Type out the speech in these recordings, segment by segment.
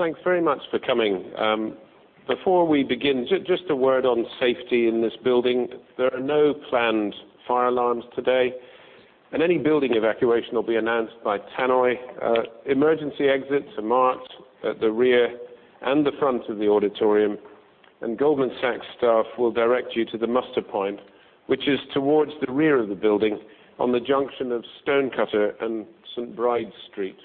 Thanks very much for coming. Before we begin, just a word on safety in this building. There are no planned fire alarms today, any building evacuation will be announced by tannoy. Emergency exits are marked at the rear and the front of the auditorium, Goldman Sachs staff will direct you to the muster point, which is towards the rear of the building on the junction of Stonecutter and St. Bride's Street.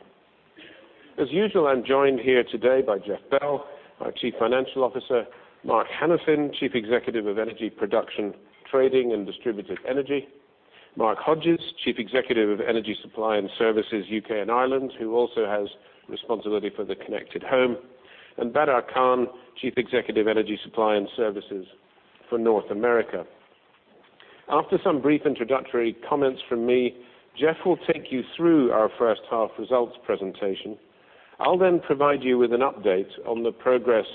As usual, I am joined here today by Jeff Bell, our Chief Financial Officer, Mark Hanafin, Chief Executive of Energy Production, Trading and Distributed Energy, Mark Hodges, Chief Executive of Energy Supply and Services, U.K. and Ireland, who also has responsibility for the Connected Home, and Badar Khan, Chief Executive, Energy Supply and Services for North America. After some brief introductory comments from me, Jeff will take you through our first-half results presentation. I will then provide you with an update on the progress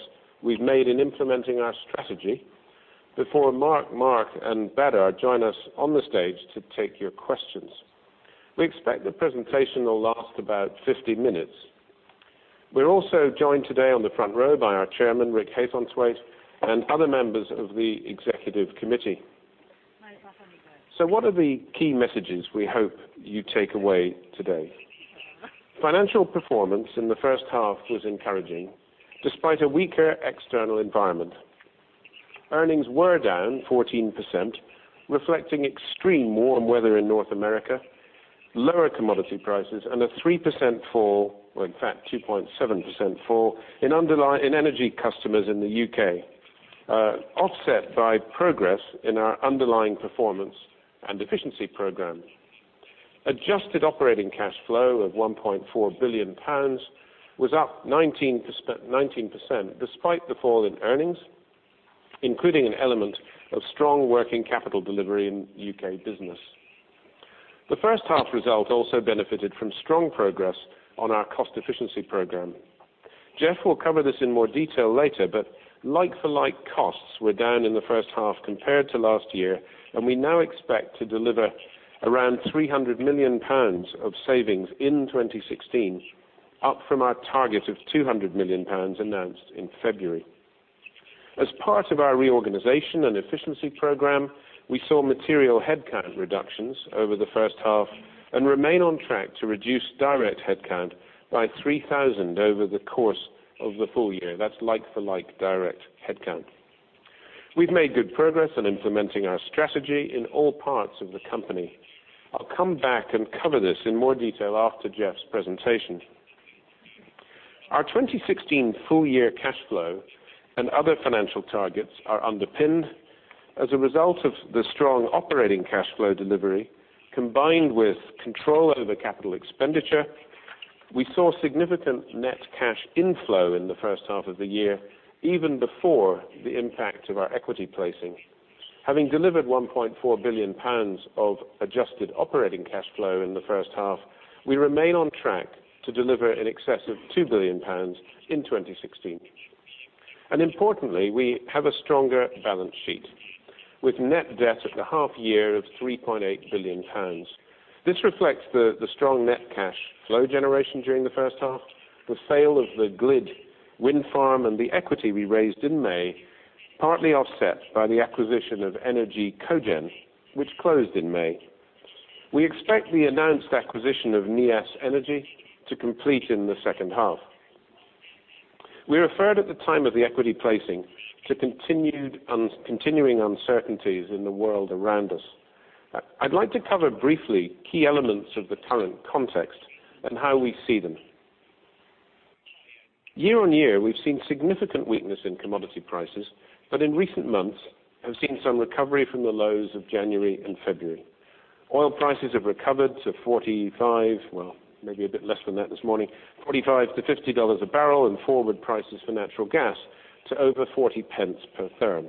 we have made in implementing our strategy before Mark, and Badar join us on the stage to take your questions. We expect the presentation will last about 50 minutes. We are also joined today on the front row by our Chairman, Rick Haythornthwaite, and other members of the executive committee. What are the key messages we hope you take away today? Financial performance in the first half was encouraging despite a weaker external environment. Earnings were down 14%, reflecting extreme warm weather in North America, lower commodity prices, and a 3% fall, or in fact, 2.7% fall, in energy customers in the U.K., offset by progress in our underlying performance and efficiency programs. Adjusted operating cash flow of 1.4 billion pounds was up 19% despite the fall in earnings, including an element of strong working capital delivery in U.K. business. The first half result also benefited from strong progress on our cost efficiency program. Jeff will cover this in more detail later, like-for-like costs were down in the first half compared to last year, we now expect to deliver around 300 million pounds of savings in 2016, up from our target of 200 million pounds announced in February. As part of our reorganization and efficiency program, we saw material headcount reductions over the first half and remain on track to reduce direct headcount by 3,000 over the course of the full year. That is like-for-like direct headcount. We have made good progress in implementing our strategy in all parts of the company. I will come back and cover this in more detail after Jeff's presentation. Our 2016 full-year cash flow and other financial targets are underpinned as a result of the strong operating cash flow delivery combined with control over capital expenditure. We saw significant net cash inflow in the first half of the year, even before the impact of our equity placing. Having delivered 1.4 billion pounds of adjusted operating cash flow in the first half, we remain on track to deliver in excess of 2 billion pounds in 2016. Importantly, we have a stronger balance sheet with net debt at the half year of 3.8 billion pounds. This reflects the strong net cash flow generation during the first half. The sale of the GLID Wind Farm and the equity we raised in May, partly offset by the acquisition of ENER-G Cogen, which closed in May. We expect the announced acquisition of Neas Energy to complete in the second half. We referred at the time of the equity placing to continuing uncertainties in the world around us. I would like to cover briefly key elements of the current context and how we see them. Year-on-year, we've seen significant weakness in commodity prices. In recent months, have seen some recovery from the lows of January and February. Oil prices have recovered to $45, well, maybe a bit less than that this morning, $45 to $50 a barrel, and forward prices for natural gas to over 0.40 per therm.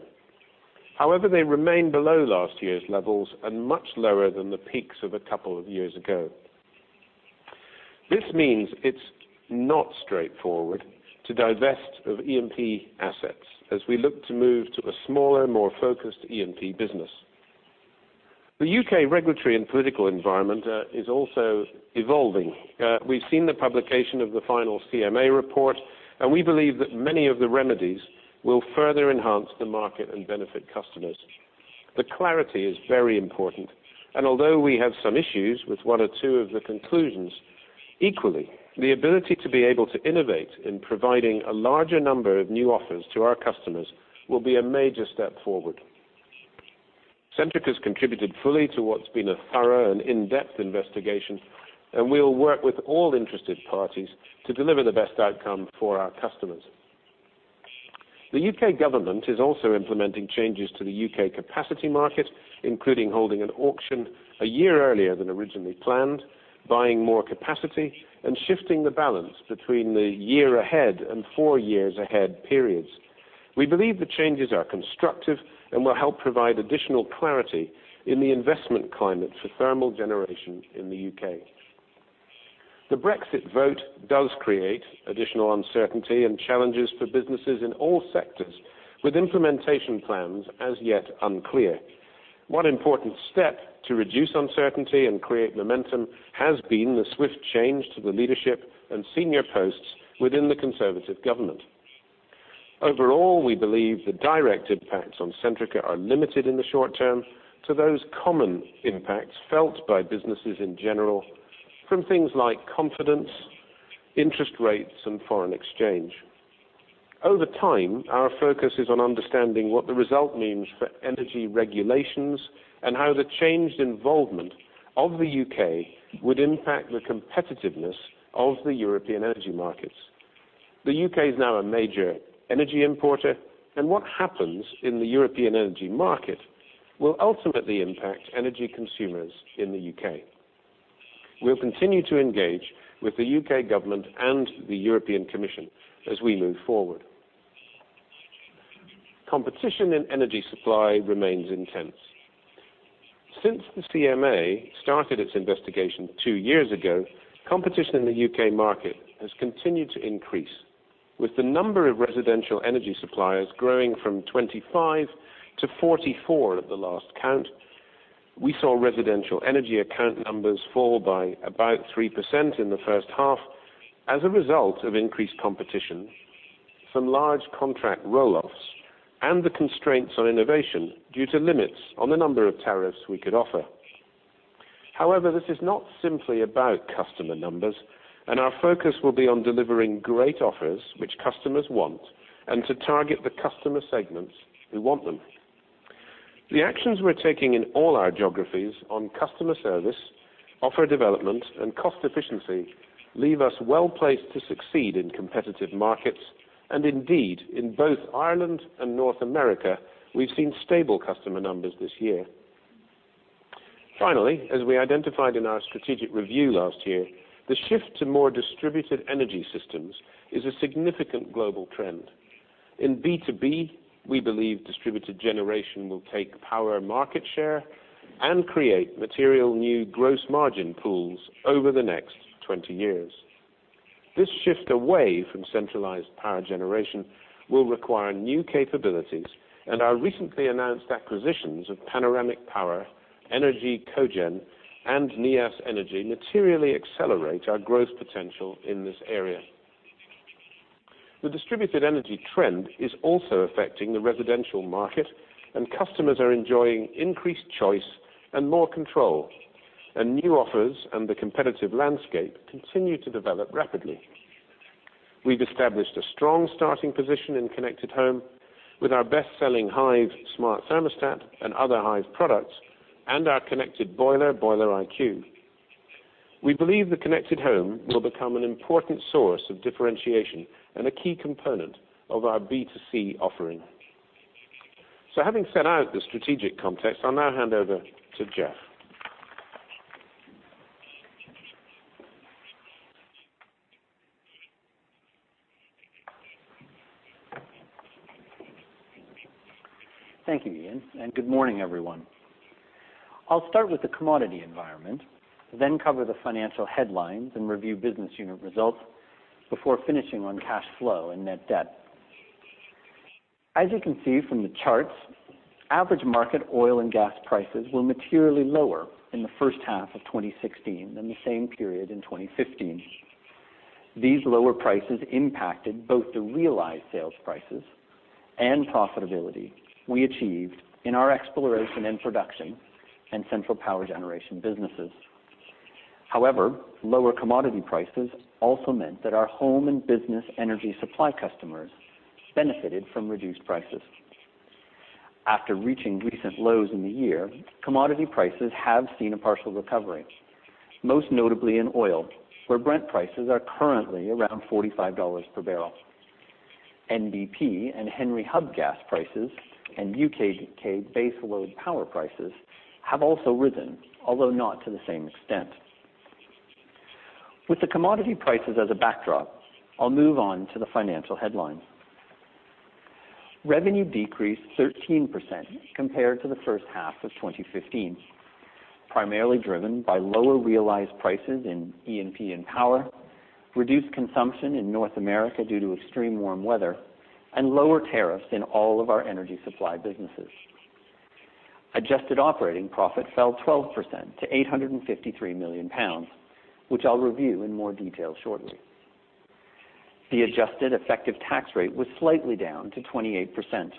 They remain below last year's levels and much lower than the peaks of a couple of years ago. This means it's not straightforward to divest of E&P assets as we look to move to a smaller, more focused E&P business. The U.K. regulatory and political environment is also evolving. We've seen the publication of the final CMA report. We believe that many of the remedies will further enhance the market and benefit customers. The clarity is very important. Although we have some issues with one or two of the conclusions, equally, the ability to be able to innovate in providing a larger number of new offers to our customers will be a major step forward. Centrica has contributed fully to what's been a thorough and in-depth investigation. We will work with all interested parties to deliver the best outcome for our customers. The U.K. government is also implementing changes to the U.K. capacity market, including holding an auction one year earlier than originally planned, buying more capacity, and shifting the balance between the year ahead and four years ahead periods. We believe the changes are constructive and will help provide additional clarity in the investment climate for thermal generation in the U.K. The Brexit vote does create additional uncertainty and challenges for businesses in all sectors with implementation plans as yet unclear. One important step to reduce uncertainty and create momentum has been the swift change to the leadership and senior posts within the Conservative government. Overall, we believe the direct impacts on Centrica are limited in the short term to those common impacts felt by businesses in general, from things like confidence, interest rates, and foreign exchange. Over time, our focus is on understanding what the result means for energy regulations and how the changed involvement of the U.K. would impact the competitiveness of the European energy markets. The U.K. is now a major energy importer. What happens in the European energy market will ultimately impact energy consumers in the U.K. We'll continue to engage with the U.K. government and the European Commission as we move forward. Competition in energy supply remains intense. Since the CMA started its investigation two years ago, competition in the U.K. market has continued to increase, with the number of residential energy suppliers growing from 25 to 44 at the last count. We saw residential energy account numbers fall by about 3% in the first half as a result of increased competition from large contract roll-offs and the constraints on innovation due to limits on the number of tariffs we could offer. This is not simply about customer numbers. Our focus will be on delivering great offers which customers want and to target the customer segments who want them. The actions we're taking in all our geographies on customer service, offer development, and cost efficiency leave us well-placed to succeed in competitive markets. Indeed, in both Ireland and North America, we've seen stable customer numbers this year. Finally, as we identified in our strategic review last year, the shift to more distributed energy systems is a significant global trend. In B2B, we believe distributed generation will take power market share and create material new gross margin pools over the next 20 years. This shift away from centralized power generation will require new capabilities, and our recently announced acquisitions of Panoramic Power, ENER-G Cogen, and Neas Energy materially accelerate our growth potential in this area. The distributed energy trend is also affecting the residential market, and customers are enjoying increased choice and more control. New offers and the competitive landscape continue to develop rapidly. We've established a strong starting position in Connected Home with our best-selling Hive smart thermostat and other Hive products and our connected boiler, Boiler IQ. We believe the Connected Home will become an important source of differentiation and a key component of our B2C offering. Having set out the strategic context, I'll now hand over to Jeff. Thank you, Iain, and good morning, everyone. I'll start with the commodity environment, then cover the financial headlines and review business unit results before finishing on cash flow and net debt. As you can see from the charts, average market oil and gas prices were materially lower in the first half of 2016 than the same period in 2015. These lower prices impacted both the realized sales prices and profitability we achieved in our exploration and production and central power generation businesses. However, lower commodity prices also meant that our home and business energy supply customers benefited from reduced prices. After reaching recent lows in the year, commodity prices have seen a partial recovery, most notably in oil, where Brent prices are currently around $45 per barrel. NBP and Henry Hub gas prices and U.K. base load power prices have also risen, although not to the same extent. With the commodity prices as a backdrop, I'll move on to the financial headlines. Revenue decreased 13% compared to the first half of 2015, primarily driven by lower realized prices in E&P and power, reduced consumption in North America due to extreme warm weather, and lower tariffs in all of our energy supply businesses. Adjusted operating profit fell 12% to 853 million pounds, which I'll review in more detail shortly. The adjusted effective tax rate was slightly down to 28%.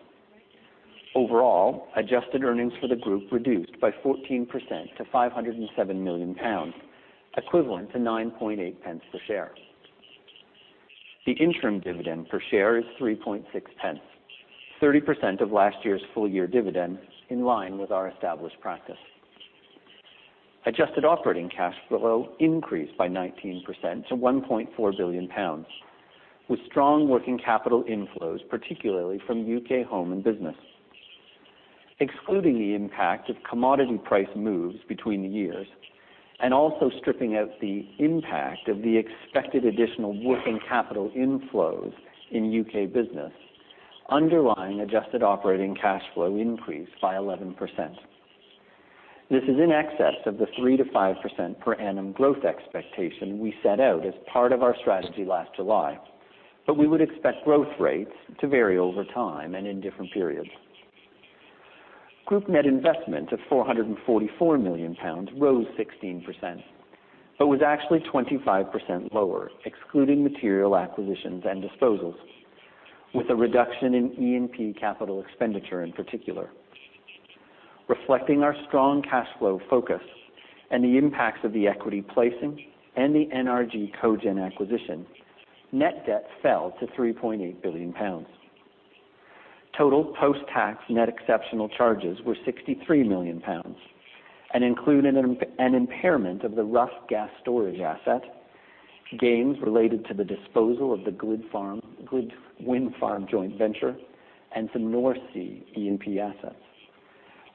Overall, adjusted earnings for the group reduced by 14% to 507 million pounds, equivalent to 0.098 per share. The interim dividend per share is 0.036, 30% of last year's full-year dividend, in line with our established practice. Adjusted operating cash flow increased by 19% to 1.4 billion pounds, with strong working capital inflows, particularly from U.K. home and business. Excluding the impact of commodity price moves between the years and also stripping out the impact of the expected additional working capital inflows in UK business, underlying adjusted operating cash flow increased by 11%. This is in excess of the 3%-5% per annum growth expectation we set out as part of our strategy last July. We would expect growth rates to vary over time and in different periods. Group net investment of 444 million pounds rose 16%. Was actually 25% lower, excluding material acquisitions and disposals, with a reduction in E&P capital expenditure in particular. Reflecting our strong cash flow focus and the impacts of the equity placing and the ENER-G Cogen acquisition, net debt fell to 3.8 billion pounds. Total post-tax net exceptional charges were 63 million pounds and included an impairment of the Rough gas storage asset, gains related to the disposal of the GLID Wind Farm joint venture, and some North Sea E&P assets,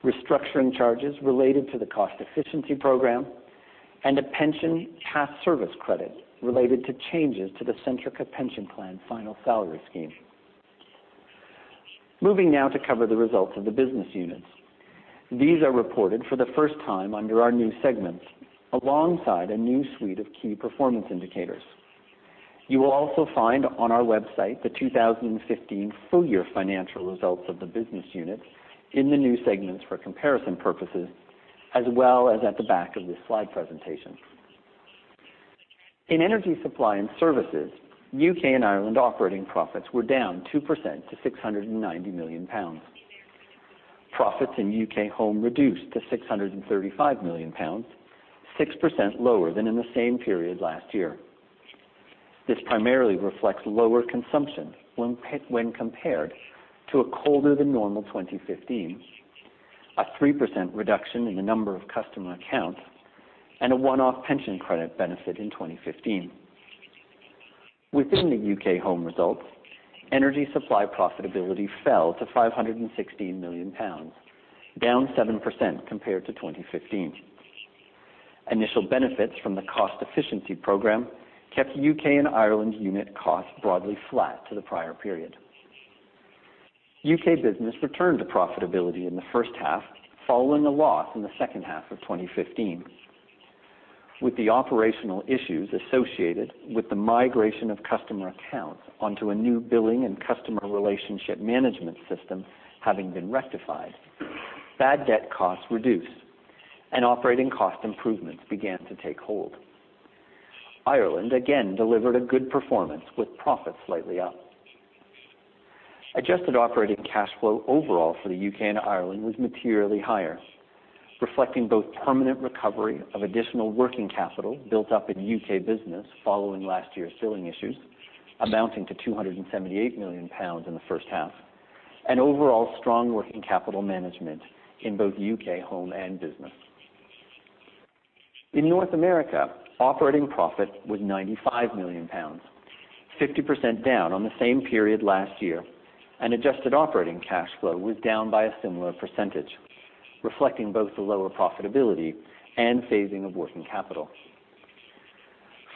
restructuring charges related to the cost efficiency program, and a pension past service credit related to changes to the Centrica pension plan final salary scheme. Moving now to cover the results of the business units. These are reported for the first time under our new segments, alongside a new suite of key performance indicators. You will also find on our website the 2015 full-year financial results of the business units in the new segments for comparison purposes, as well as at the back of this slide presentation. In Energy Supply and Services, UK and Ireland operating profits were down 2% to 690 million pounds. Profits in UK home reduced to 635 million pounds, 6% lower than in the same period last year. This primarily reflects lower consumption when compared to a colder than normal 2015, a 3% reduction in the number of customer accounts, and a one-off pension credit benefit in 2015. Within the UK home results, energy supply profitability fell to 516 million pounds, down 7% compared to 2015. Initial benefits from the cost efficiency program kept UK and Ireland unit costs broadly flat to the prior period. UK business returned to profitability in the first half, following a loss in the second half of 2015. With the operational issues associated with the migration of customer accounts onto a new billing and customer relationship management system having been rectified, bad debt costs reduced, and operating cost improvements began to take hold. Ireland again delivered a good performance with profits slightly up. Adjusted operating cash flow overall for the UK and Ireland was materially higher, reflecting both permanent recovery of additional working capital built up in UK business following last year's billing issues, amounting to 278 million pounds in the first half, and overall strong working capital management in both UK home and business. In North America, operating profit was 95 million pounds, 50% down on the same period last year, and adjusted operating cash flow was down by a similar percentage, reflecting both the lower profitability and phasing of working capital.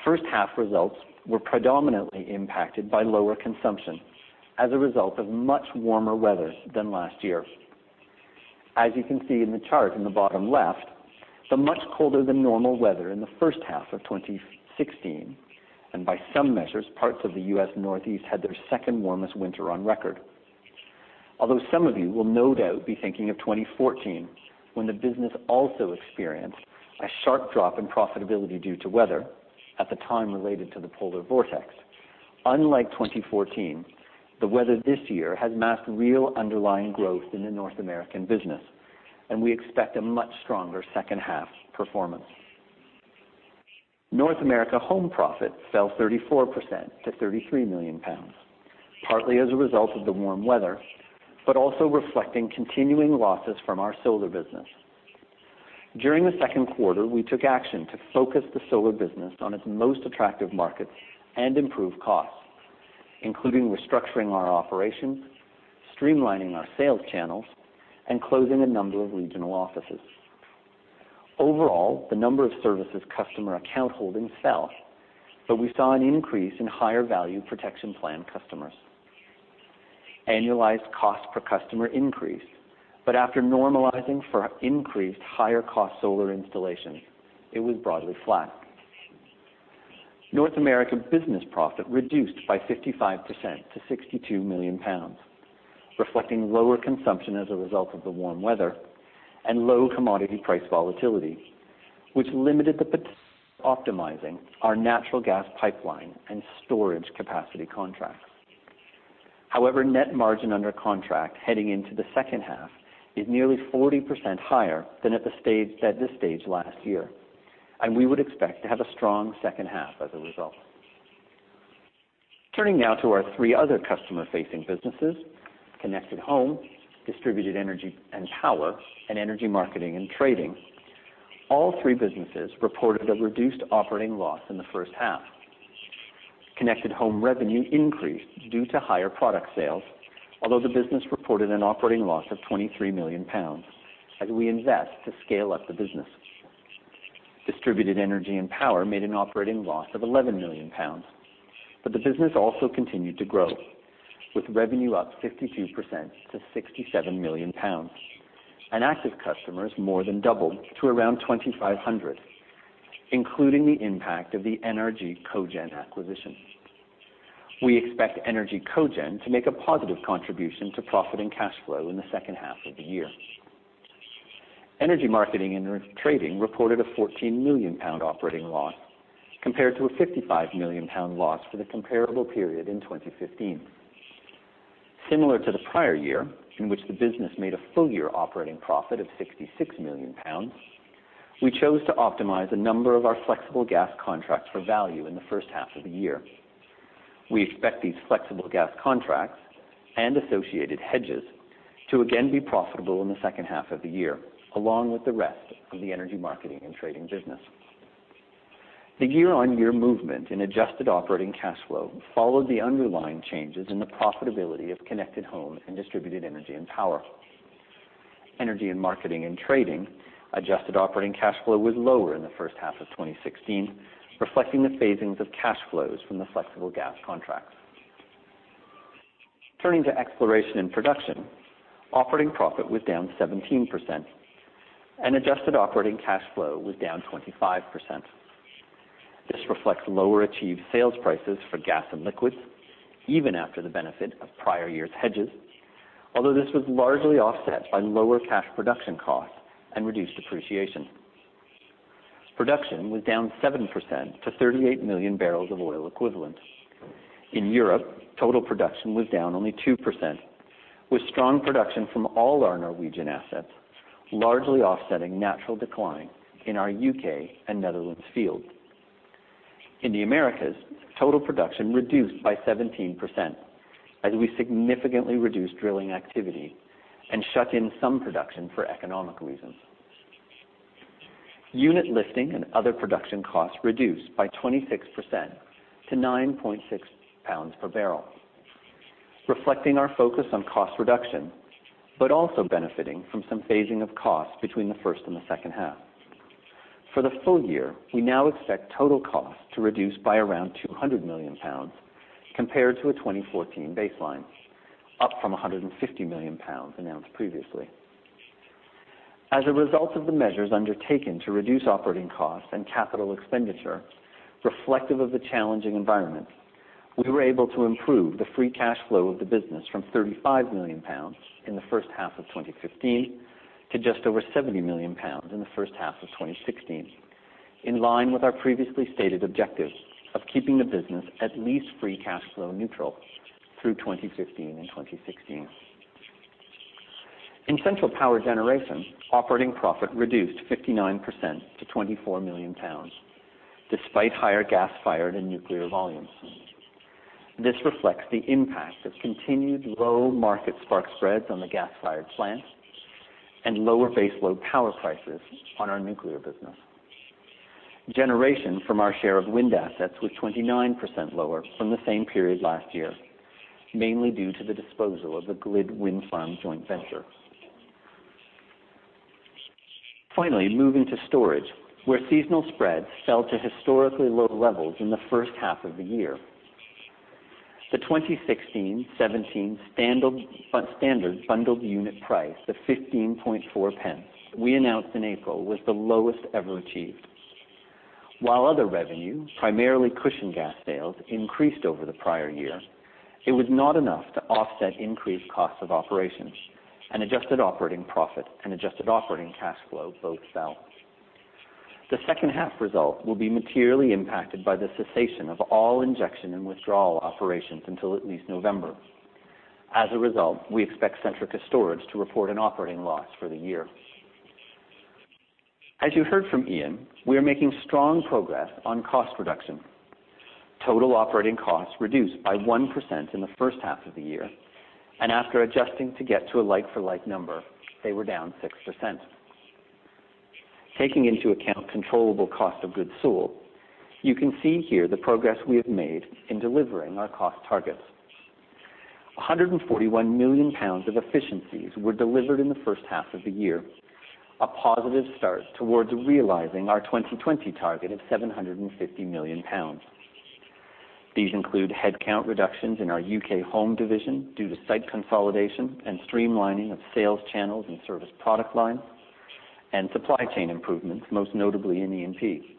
First half results were predominantly impacted by lower consumption as a result of much warmer weather than last year. As you can see in the chart in the bottom left, the much colder than normal weather in the first half of 2016, and by some measures, parts of the U.S. Northeast had their second warmest winter on record. Although some of you will no doubt be thinking of 2014, when the business also experienced a sharp drop in profitability due to weather, at the time related to the polar vortex. Unlike 2014, the weather this year has masked real underlying growth in the North American business, and we expect a much stronger second half performance. North America home profit fell 34% to 33 million pounds, partly as a result of the warm weather, but also reflecting continuing losses from our solar business. During the second quarter, we took action to focus the solar business on its most attractive markets and improve costs, including restructuring our operations, streamlining our sales channels, and closing a number of regional offices. Overall, the number of services customer account holding fell, but we saw an increase in higher value protection plan customers. Annualized cost per customer increased, but after normalizing for increased higher cost solar installations, it was broadly flat. North American business profit reduced by 55% to 62 million pounds, reflecting lower consumption as a result of the warm weather and low commodity price volatility, which limited the potential optimizing our natural gas pipeline and storage capacity contracts. However, net margin under contract heading into the second half is nearly 40% higher than at this stage last year, and we would expect to have a strong second half as a result. Turning now to our three other customer-facing businesses, Connected Home, Distributed Energy and Power, and Energy Marketing and Trading. All three businesses reported a reduced operating loss in the first half. Connected Home revenue increased due to higher product sales, although the business reported an operating loss of 23 million pounds as we invest to scale up the business. Distributed Energy and Power made an operating loss of 11 million pounds. The business also continued to grow, with revenue up 52% to 67 million pounds. Active customers more than doubled to around 2,500, including the impact of the ENER-G Cogen acquisition. We expect ENER-G Cogen to make a positive contribution to profit and cash flow in the second half of the year. Energy Marketing and Trading reported a 14 million pound operating loss compared to a 55 million pound loss for the comparable period in 2015. Similar to the prior year, in which the business made a full-year operating profit of 66 million pounds, we chose to optimize a number of our flexible gas contracts for value in the first half of the year. We expect these flexible gas contracts, and associated hedges, to again be profitable in the second half of the year, along with the rest of the Energy Marketing and Trading business. The year-on-year movement in adjusted operating cash flow followed the underlying changes in the profitability of Connected Home and Distributed Energy and Power. Energy and Marketing and Trading adjusted operating cash flow was lower in the first half of 2016, reflecting the phasings of cash flows from the flexible gas contracts. Turning to exploration and production, operating profit was down 17% and adjusted operating cash flow was down 25%. This reflects lower achieved sales prices for gas and liquids even after the benefit of prior year's hedges, although this was largely offset by lower cash production costs and reduced depreciation. Production was down 7% to 38 million barrels of oil equivalent. In Europe, total production was down only 2%, with strong production from all our Norwegian assets, largely offsetting natural decline in our U.K. and Netherlands fields. In the Americas, total production reduced by 17% as we significantly reduced drilling activity and shut in some production for economic reasons. Unit lifting and other production costs reduced by 26% to 9.6 pounds per barrel, reflecting our focus on cost reduction, but also benefiting from some phasing of costs between the first and the second half. For the full year, we now expect total costs to reduce by around 200 million pounds compared to a 2014 baseline, up from 150 million pounds announced previously. As a result of the measures undertaken to reduce operating costs and capital expenditure reflective of the challenging environment, we were able to improve the free cash flow of the business from 35 million pounds in the first half of 2015 to just over 70 million pounds in the first half of 2016, in line with our previously stated objective of keeping the business at least free cash flow neutral through 2015 and 2016. In Central Power Generation, operating profit reduced 59% to 24 million pounds, despite higher gas-fired and nuclear volumes. This reflects the impact of continued low-market spark spreads on the gas-fired plants and lower base load power prices on our nuclear business. Generation from our share of wind assets was 29% lower from the same period last year, mainly due to the disposal of the GLID Wind Farm joint venture. Finally, moving to storage, where seasonal spreads fell to historically low levels in the first half of the year. The 2016/17 standard bundled unit price of 0.154 we announced in April was the lowest ever achieved. While other revenue, primarily cushion gas sales, increased over the prior year, it was not enough to offset increased costs of operations, and adjusted operating profit and adjusted operating cash flow both fell. The second half result will be materially impacted by the cessation of all injection and withdrawal operations until at least November. As a result, we expect Centrica Storage to report an operating loss for the year. As you heard from Iain, we are making strong progress on cost reduction. Total operating costs reduced by 1% in the first half of the year, and after adjusting to get to a like-for-like number, they were down 6%. Taking into account controllable cost of goods sold, you can see here the progress we have made in delivering our cost targets. 141 million pounds of efficiencies were delivered in the first half of the year, a positive start towards realizing our 2020 target of 750 million pounds. These include headcount reductions in our U.K. home division due to site consolidation and streamlining of sales channels and service product lines, and supply chain improvements, most notably in E&P.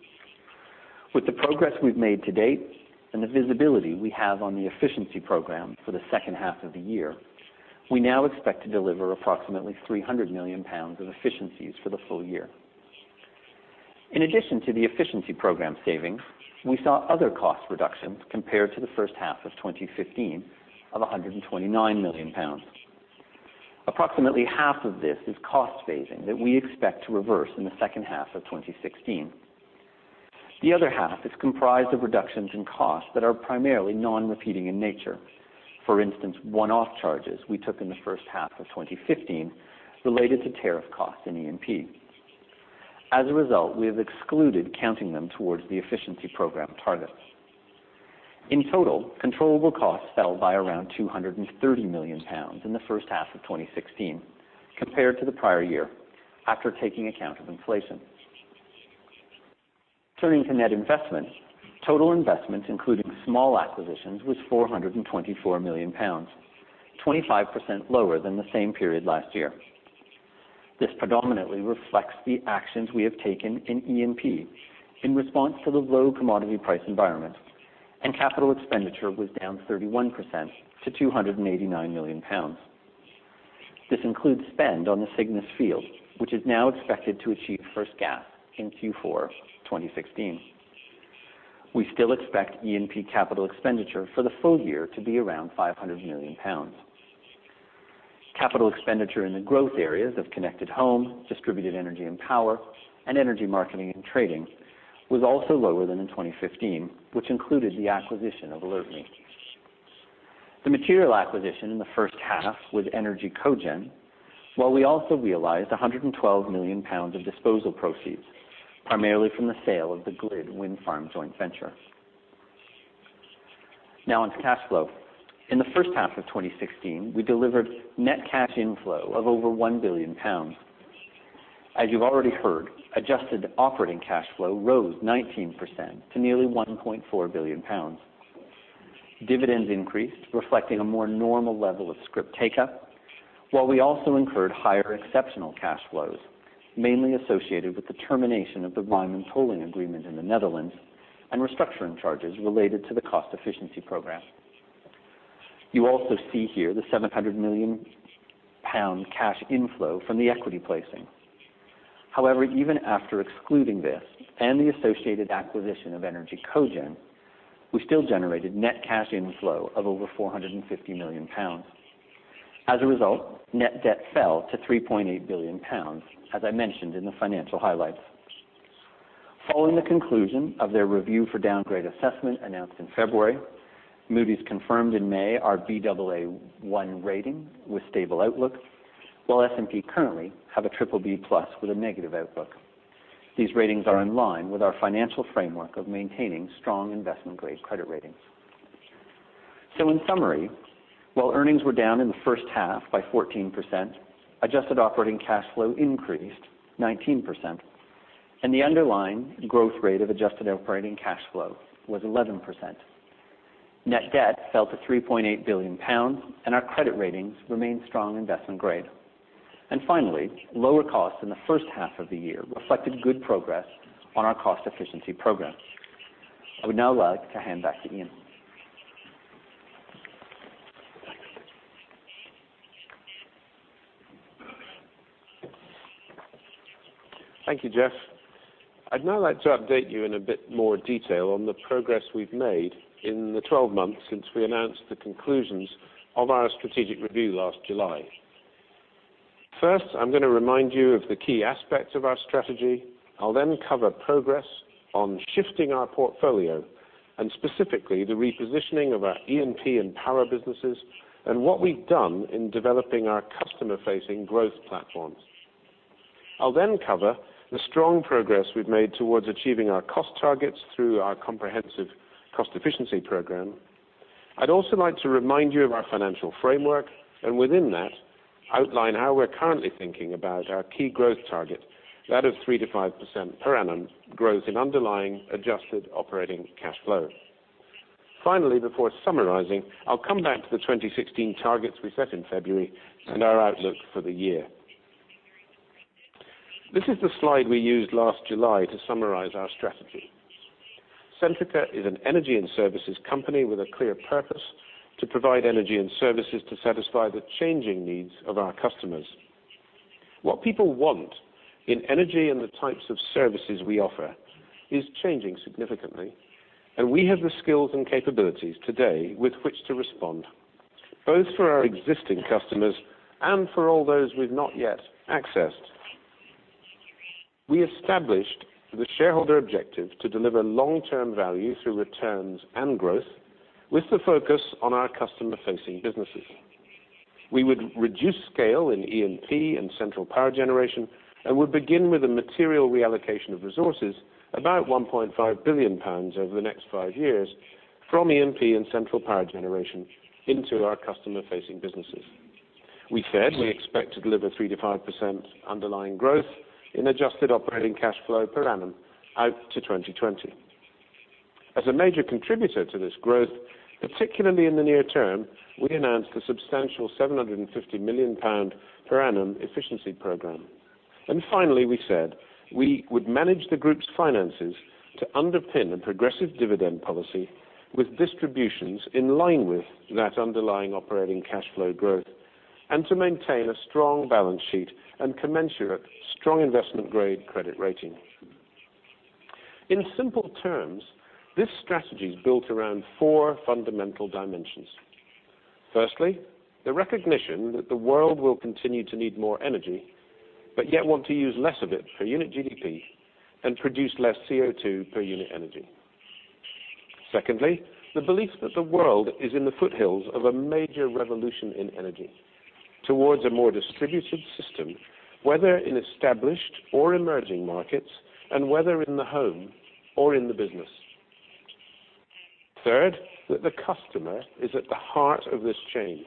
With the progress we've made to date and the visibility we have on the efficiency program for the second half of the year, we now expect to deliver approximately 300 million pounds of efficiencies for the full year. In addition to the efficiency program savings, we saw other cost reductions compared to the first half of 2015 of 129 million pounds. Approximately half of this is cost phasing that we expect to reverse in the second half of 2016. The other half is comprised of reductions in costs that are primarily non-repeating in nature. For instance, one-off charges we took in the first half of 2015 related to tariff costs in E&P. As a result, we have excluded counting them towards the efficiency program targets. In total, controllable costs fell by around 230 million pounds in the first half of 2016 compared to the prior year, after taking account of inflation. Turning to net investments, total investments including small acquisitions was 424 million pounds, 25% lower than the same period last year. This predominantly reflects the actions we have taken in E&P in response to the low commodity price environment. Capital expenditure was down 31% to 289 million pounds. This includes spend on the Cygnus field, which is now expected to achieve first gas in Q4 2016. We still expect E&P capital expenditure for the full year to be around 500 million pounds. Capital expenditure in the growth areas of Connected Home, Distributed Energy and Power, and Energy Marketing and Trading was also lower than in 2015, which included the acquisition of AlertMe. The material acquisition in the first half was ENER-G Cogen, while we also realized 112 million pounds of disposal proceeds, primarily from the sale of the GLID Wind Farm joint venture. On to cash flow. In the first half of 2016, we delivered net cash inflow of over 1 billion pounds. As you've already heard, adjusted operating cash flow rose 19% to nearly 1.4 billion pounds. Dividends increased, reflecting a more normal level of scrip take-up, while we also incurred higher exceptional cash flows, mainly associated with the termination of the Rijnmond pooling agreement in the Netherlands and restructuring charges related to the cost efficiency program. You also see here the 700 million pound cash inflow from the equity placing. However, even after excluding this and the associated acquisition of ENER-G Cogen, we still generated net cash inflow of over 450 million pounds. As a result, net debt fell to 3.8 billion pounds, as I mentioned in the financial highlights. Following the conclusion of their review for downgrade assessment announced in February, Moody's confirmed in May our Baa1 rating with stable outlook, while S&P currently have a BBB+ with a negative outlook. These ratings are in line with our financial framework of maintaining strong investment-grade credit ratings. In summary, while earnings were down in the first half by 14%, adjusted operating cash flow increased 19%, and the underlying growth rate of adjusted operating cash flow was 11%. Net debt fell to 3.8 billion pounds. Our credit ratings remain strong investment-grade. Finally, lower costs in the first half of the year reflected good progress on our cost efficiency program. I would now like to hand back to Iain. Thank you. Thank you, Jeff. I'd now like to update you in a bit more detail on the progress we've made in the 12 months since we announced the conclusions of our strategic review last July. First, I'm going to remind you of the key aspects of our strategy. I'll then cover progress on shifting our portfolio and specifically the repositioning of our E&P and power businesses and what we've done in developing our customer-facing growth platforms. I'll then cover the strong progress we've made towards achieving our cost targets through our comprehensive cost efficiency program. I'd also like to remind you of our financial framework, and within that, outline how we're currently thinking about our key growth target, that of 3%-5% per annum growth in underlying adjusted operating cash flow. Finally, before summarizing, I'll come back to the 2016 targets we set in February and our outlook for the year. This is the slide we used last July to summarize our strategy. Centrica is an energy and services company with a clear purpose to provide energy and services to satisfy the changing needs of our customers. What people want in energy and the types of services we offer is changing significantly, and we have the skills and capabilities today with which to respond, both for our existing customers and for all those we've not yet accessed. We established the shareholder objective to deliver long-term value through returns and growth with the focus on our customer-facing businesses. We would reduce scale in E&P and central power generation, would begin with a material reallocation of resources, about 1.5 billion pounds over the next five years, from E&P and central power generation into our customer-facing businesses. We said we expect to deliver 3%-5% underlying growth in adjusted operating cash flow per annum out to 2020. As a major contributor to this growth, particularly in the near term, we announced a substantial 750 million pound per annum efficiency program. Finally, we said we would manage the group's finances to underpin a progressive dividend policy with distributions in line with that underlying operating cash flow growth and to maintain a strong balance sheet and commensurate strong investment-grade credit rating. In simple terms, this strategy is built around four fundamental dimensions. Firstly, the recognition that the world will continue to need more energy, yet want to use less of it per unit GDP and produce less CO2 per unit energy. Secondly, the belief that the world is in the foothills of a major revolution in energy. Towards a more distributed system, whether in established or emerging markets, whether in the home or in the business. Third, that the customer is at the heart of this change,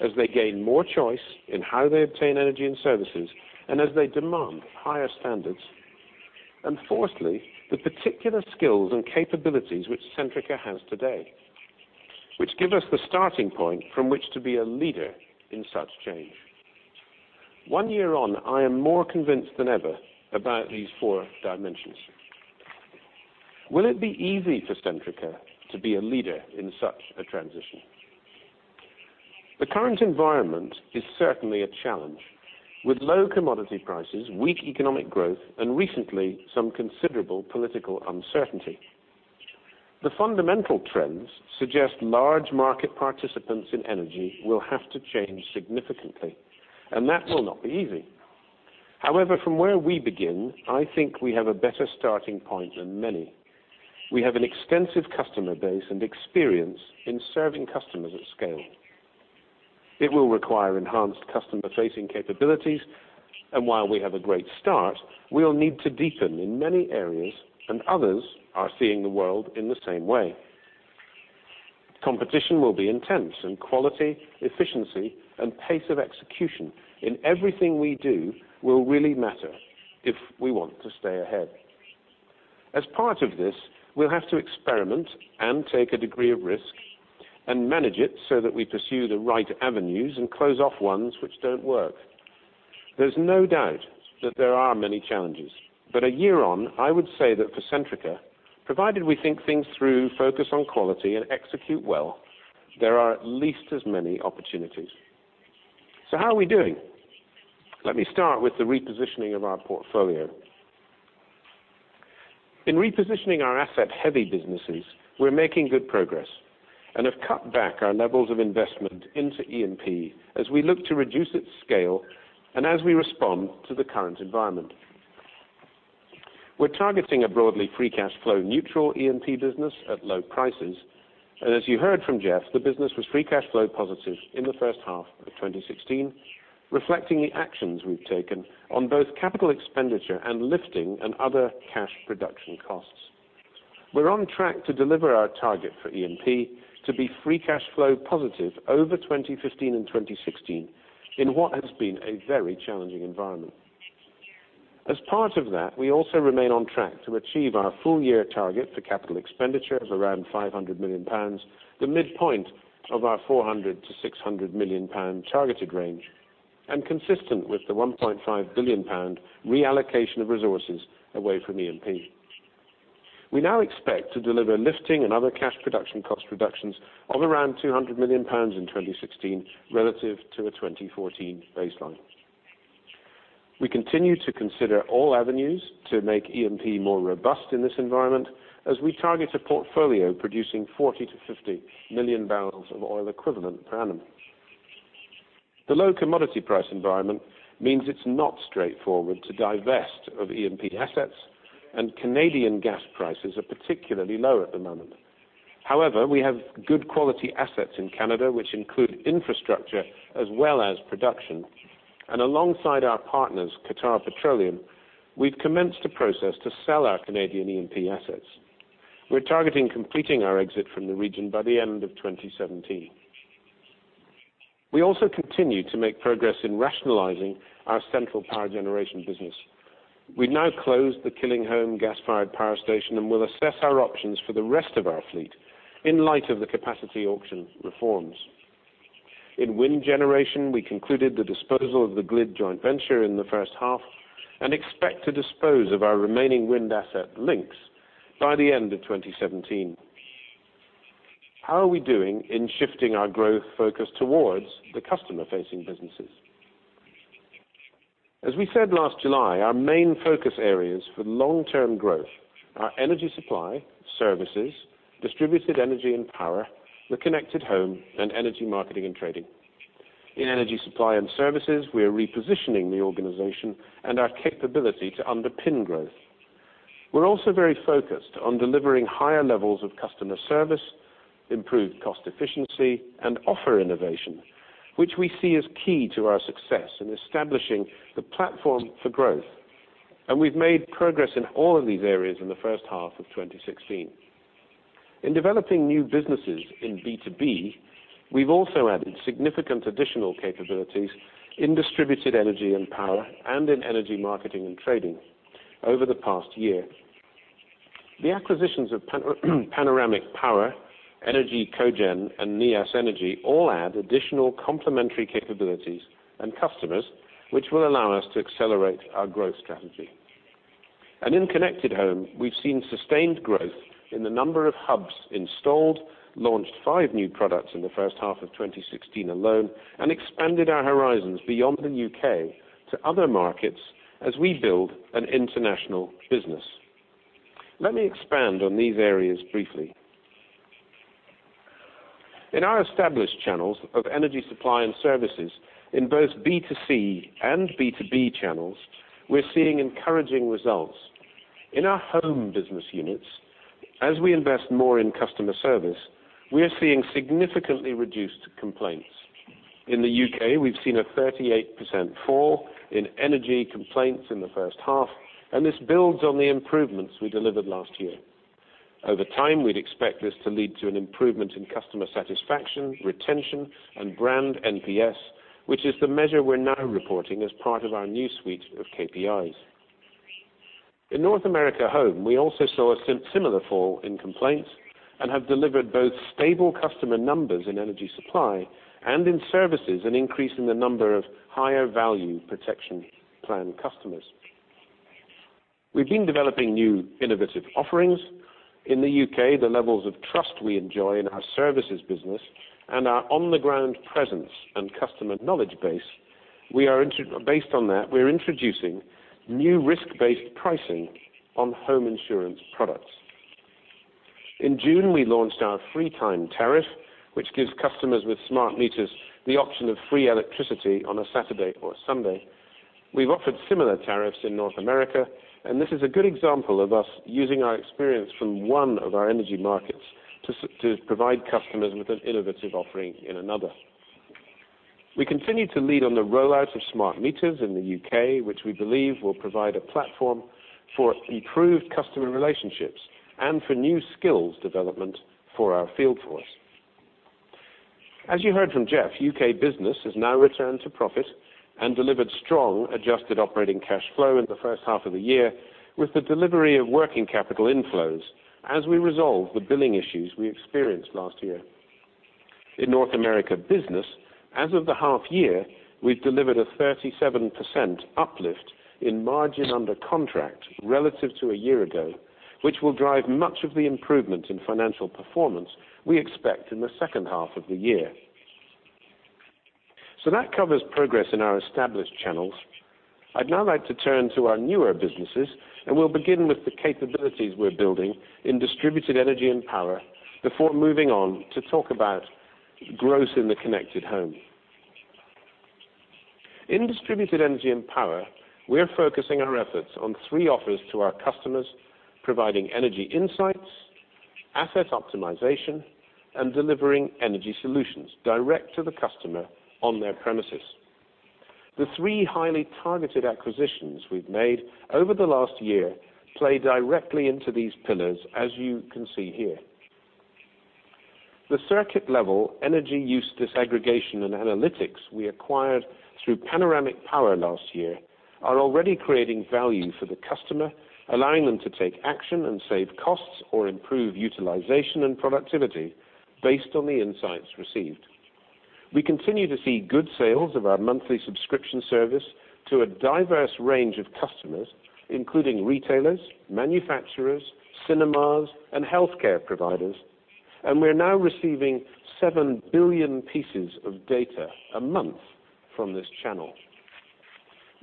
as they gain more choice in how they obtain energy and services, as they demand higher standards. Fourthly, the particular skills and capabilities which Centrica has today, which give us the starting point from which to be a leader in such change. One year on, I am more convinced than ever about these four dimensions. Will it be easy for Centrica to be a leader in such a transition? The current environment is certainly a challenge with low commodity prices, weak economic growth, and recently, some considerable political uncertainty. The fundamental trends suggest large market participants in energy will have to change significantly. That will not be easy. From where we begin, I think we have a better starting point than many. We have an extensive customer base and experience in serving customers at scale. It will require enhanced customer-facing capabilities, and while we have a great start, we will need to deepen in many areas. Others are seeing the world in the same way. Competition will be intense. Quality, efficiency, and pace of execution in everything we do will really matter if we want to stay ahead. As part of this, we'll have to experiment and take a degree of risk, and manage it so that we pursue the right avenues and close off ones which don't work. There's no doubt that there are many challenges. A year on, I would say that for Centrica, provided we think things through, focus on quality, and execute well, there are at least as many opportunities. How are we doing? Let me start with the repositioning of our portfolio. In repositioning our asset-heavy businesses, we're making good progress. Have cut back our levels of investment into E&P as we look to reduce its scale and as we respond to the current environment. We're targeting a broadly free cash flow neutral E&P business at low prices. As you heard from Jeff, the business was free cash flow positive in the first half of 2016, reflecting the actions we've taken on both capital expenditure and lifting and other cash production costs. We're on track to deliver our target for E&P to be free cash flow positive over 2015 and 2016, in what has been a very challenging environment. As part of that, we also remain on track to achieve our full year target for capital expenditure of around 500 million pounds, the midpoint of our 400 million-600 million pound targeted range, and consistent with the 1.5 billion pound reallocation of resources away from E&P. We now expect to deliver lifting and other cash production cost reductions of around 200 million pounds in 2016, relative to a 2014 baseline. We continue to consider all avenues to make E&P more robust in this environment, as we target a portfolio producing 40 million-50 million barrels of oil equivalent per annum. The low commodity price environment means it's not straightforward to divest of E&P assets. Canadian gas prices are particularly low at the moment. We have good quality assets in Canada, which include infrastructure as well as production. Alongside our partners, Qatar Petroleum, we've commenced a process to sell our Canadian E&P assets. We're targeting completing our exit from the region by the end of 2017. We also continue to make progress in rationalizing our central power generation business. We've now closed the Killingholme gas-fired power station. Will assess our options for the rest of our fleet in light of the capacity auction reforms. In wind generation, we concluded the disposal of the GLID joint venture in the first half. We expect to dispose of our remaining wind asset Lincs by the end of 2017. How are we doing in shifting our growth focus towards the customer-facing businesses? As we said last July, our main focus areas for long-term growth are energy supply, services, distributed energy and power, the Connected Home, and energy marketing and trading. In energy supply and services, we are repositioning the organization and our capability to underpin growth. We're also very focused on delivering higher levels of customer service, improved cost efficiency, and offer innovation, which we see as key to our success in establishing the platform for growth. We've made progress in all of these areas in the first half of 2016. In developing new businesses in B2B, we've also added significant additional capabilities in distributed energy and power, and in energy marketing and trading over the past year. The acquisitions of Panoramic Power, ENER-G Cogen, and Neas Energy all add additional complementary capabilities and customers, which will allow us to accelerate our growth strategy. In Connected Home, we've seen sustained growth in the number of hubs installed, launched five new products in the first half of 2016 alone. We expanded our horizons beyond the U.K. to other markets as we build an international business. Let me expand on these areas briefly. In our established channels of energy supply and services in both B2C and B2B channels, we're seeing encouraging results. In our home business units, as we invest more in customer service, we are seeing significantly reduced complaints. In the U.K., we've seen a 38% fall in energy complaints in the first half. This builds on the improvements we delivered last year. Over time, we'd expect this to lead to an improvement in customer satisfaction, retention, and brand NPS, which is the measure we're now reporting as part of our new suite of KPIs. In North America Home, we also saw a similar fall in complaints. We have delivered both stable customer numbers in energy supply and in services, an increase in the number of higher value protection plan customers. We've been developing new innovative offerings. In the U.K., the levels of trust we enjoy in our services business and our on-the-ground presence and customer knowledge base. Based on that, we're introducing new risk-based pricing on home insurance products. In June, we launched our FreeTime tariff, which gives customers with smart meters the option of free electricity on a Saturday or Sunday. We've offered similar tariffs in North America. This is a good example of us using our experience from one of our energy markets to provide customers with an innovative offering in another. We continue to lead on the rollout of smart meters in the U.K., which we believe will provide a platform for improved customer relationships and for new skills development for our field force. As you heard from Jeff, U.K. business has now returned to profit and delivered strong adjusted operating cash flow in the first half of the year with the delivery of working capital inflows as we resolve the billing issues we experienced last year. In North America Business, as of the half year, we've delivered a 37% uplift in margin under contract relative to a year ago, which will drive much of the improvement in financial performance we expect in the second half of the year. That covers progress in our established channels. I'd now like to turn to our newer businesses, and we'll begin with the capabilities we're building in distributed energy and power before moving on to talk about growth in the Connected Home. In distributed energy and power, we're focusing our efforts on three offers to our customers, providing energy insights, asset optimization, and delivering energy solutions direct to the customer on their premises. The three highly targeted acquisitions we've made over the last year play directly into these pillars, as you can see here. The circuit level energy use disaggregation and analytics we acquired through Panoramic Power last year are already creating value for the customer, allowing them to take action and save costs or improve utilization and productivity based on the insights received. We continue to see good sales of our monthly subscription service to a diverse range of customers, including retailers, manufacturers, cinemas, and healthcare providers, and we're now receiving 7 billion pieces of data a month from this channel.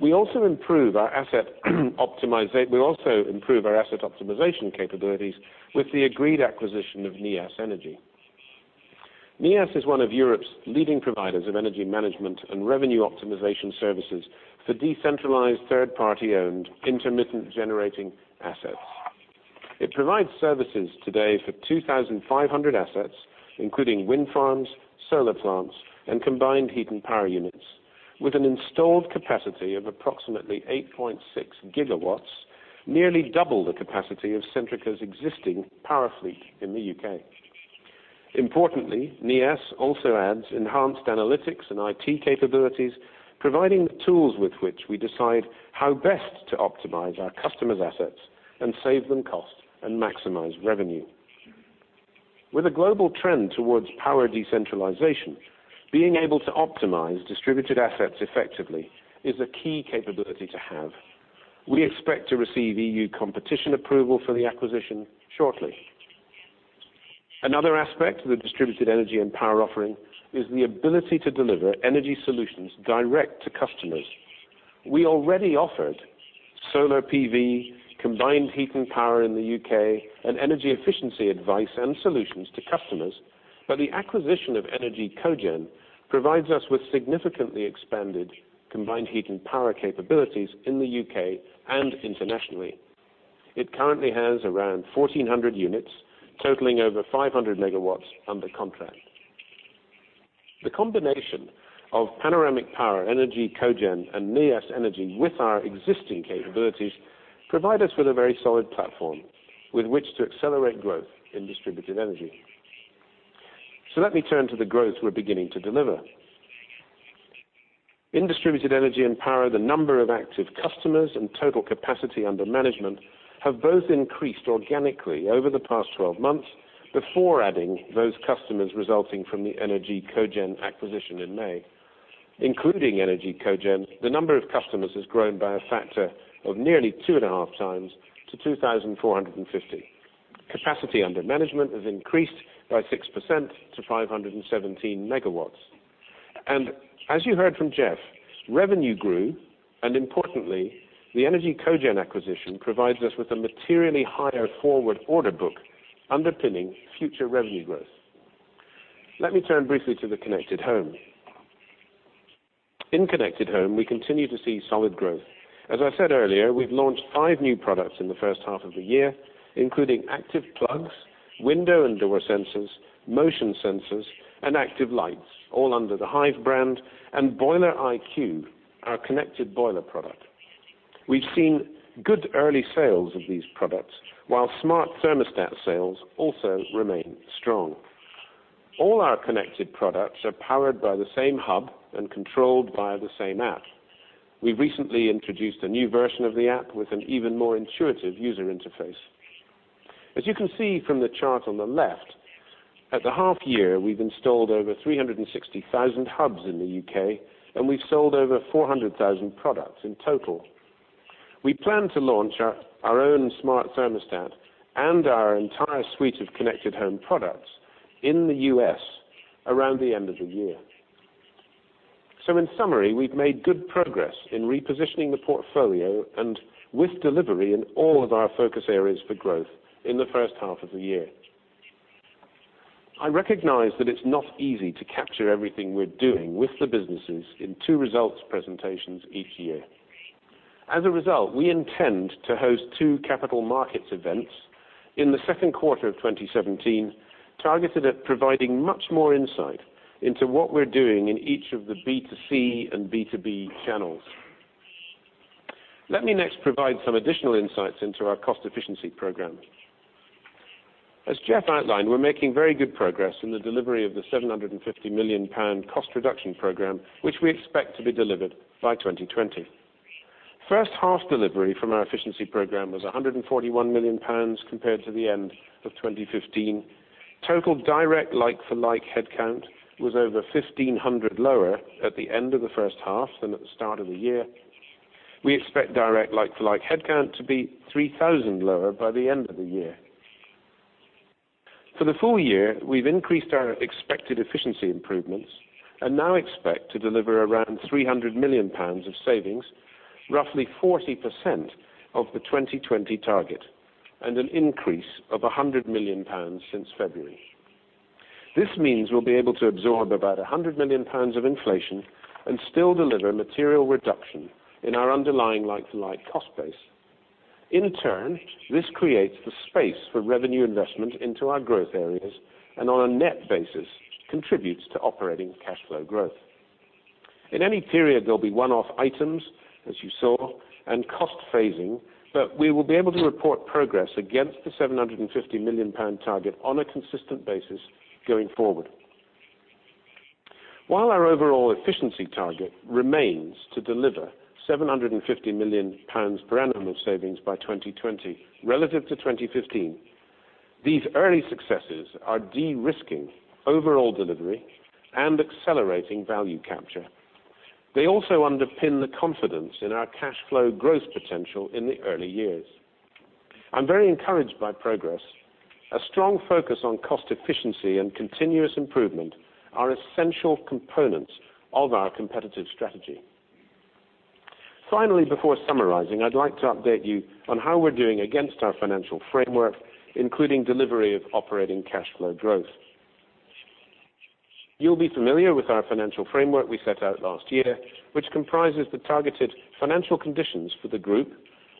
We also improve our asset optimization capabilities with the agreed acquisition of Neas Energy. Neas is one of Europe's leading providers of energy management and revenue optimization services for decentralized, third-party owned, intermittent generating assets. It provides services today for 2,500 assets, including wind farms, solar plants, and combined heat and power units, with an installed capacity of approximately 8.6 gigawatts, nearly double the capacity of Centrica's existing power fleet in the U.K. Importantly, Neas also adds enhanced analytics and IT capabilities, providing the tools with which we decide how best to optimize our customers' assets and save them costs and maximize revenue. With a global trend towards power decentralization, being able to optimize distributed assets effectively is a key capability to have. We expect to receive EU competition approval for the acquisition shortly. Another aspect of the distributed energy and power offering is the ability to deliver energy solutions direct to customers. We already offered solar PV, combined heat and power in the U.K., and energy efficiency advice and solutions to customers, but the acquisition of ENER-G Cogen provides us with significantly expanded combined heat and power capabilities in the U.K. and internationally. It currently has around 1,400 units, totaling over 500 megawatts under contract. The combination of Panoramic Power, ENER-G Cogen, and Neas Energy with our existing capabilities provide us with a very solid platform with which to accelerate growth in distributed energy. Let me turn to the growth we're beginning to deliver. In distributed energy and power, the number of active customers and total capacity under management have both increased organically over the past 12 months before adding those customers resulting from the ENER-G Cogen acquisition in May. Including ENER-G Cogen, the number of customers has grown by a factor of nearly two and a half times to 2,450. Capacity under management has increased by 6% to 517 megawatts. As you heard from Jeff, revenue grew, and importantly, the ENER-G Cogen acquisition provides us with a materially higher forward order book underpinning future revenue growth. Let me turn briefly to the Connected Home. In Connected Home, we continue to see solid growth. As I said earlier, we've launched five new products in the first half of the year, including active plugs, window and door sensors, motion sensors, and active lights, all under the Hive brand, and Boiler IQ, our connected boiler product. We've seen good early sales of these products, while smart thermostat sales also remain strong. All our connected products are powered by the same hub and controlled by the same app. We recently introduced a new version of the app with an even more intuitive user interface. As you can see from the chart on the left, at the half year, we've installed over 360,000 hubs in the U.K., and we've sold over 400,000 products in total. We plan to launch our own smart thermostat and our entire suite of Connected Home products in the U.S. around the end of the year. In summary, we've made good progress in repositioning the portfolio and with delivery in all of our focus areas for growth in the first half of the year. I recognize that it's not easy to capture everything we're doing with the businesses in two results presentations each year. As a result, we intend to host two capital markets events in the second quarter of 2017, targeted at providing much more insight into what we're doing in each of the B2C and B2B channels. Let me next provide some additional insights into our cost efficiency program. As Jeff outlined, we're making very good progress in the delivery of the 750 million pound cost reduction program, which we expect to be delivered by 2020. First half delivery from our efficiency program was 141 million pounds compared to the end of 2015. Total direct like-for-like headcount was over 1,500 lower at the end of the first half than at the start of the year. We expect direct like-for-like headcount to be 3,000 lower by the end of the year. For the full year, we've increased our expected efficiency improvements and now expect to deliver around 300 million pounds of savings, roughly 40% of the 2020 target, and an increase of 100 million pounds since February. This means we'll be able to absorb about 100 million pounds of inflation and still deliver material reduction in our underlying like-for-like cost base. In turn, this creates the space for revenue investment into our growth areas, and on a net basis, contributes to operating cash flow growth. In any period, there'll be one-off items, as you saw, and cost phasing, but we will be able to report progress against the 750 million pound target on a consistent basis going forward. While our overall efficiency target remains to deliver 750 million pounds per annum of savings by 2020 relative to 2015, these early successes are de-risking overall delivery and accelerating value capture. They also underpin the confidence in our cash flow growth potential in the early years. I'm very encouraged by progress. A strong focus on cost efficiency and continuous improvement are essential components of our competitive strategy. Finally, before summarizing, I'd like to update you on how we're doing against our financial framework, including delivery of operating cash flow growth. You'll be familiar with our financial framework we set out last year, which comprises the targeted financial conditions for the group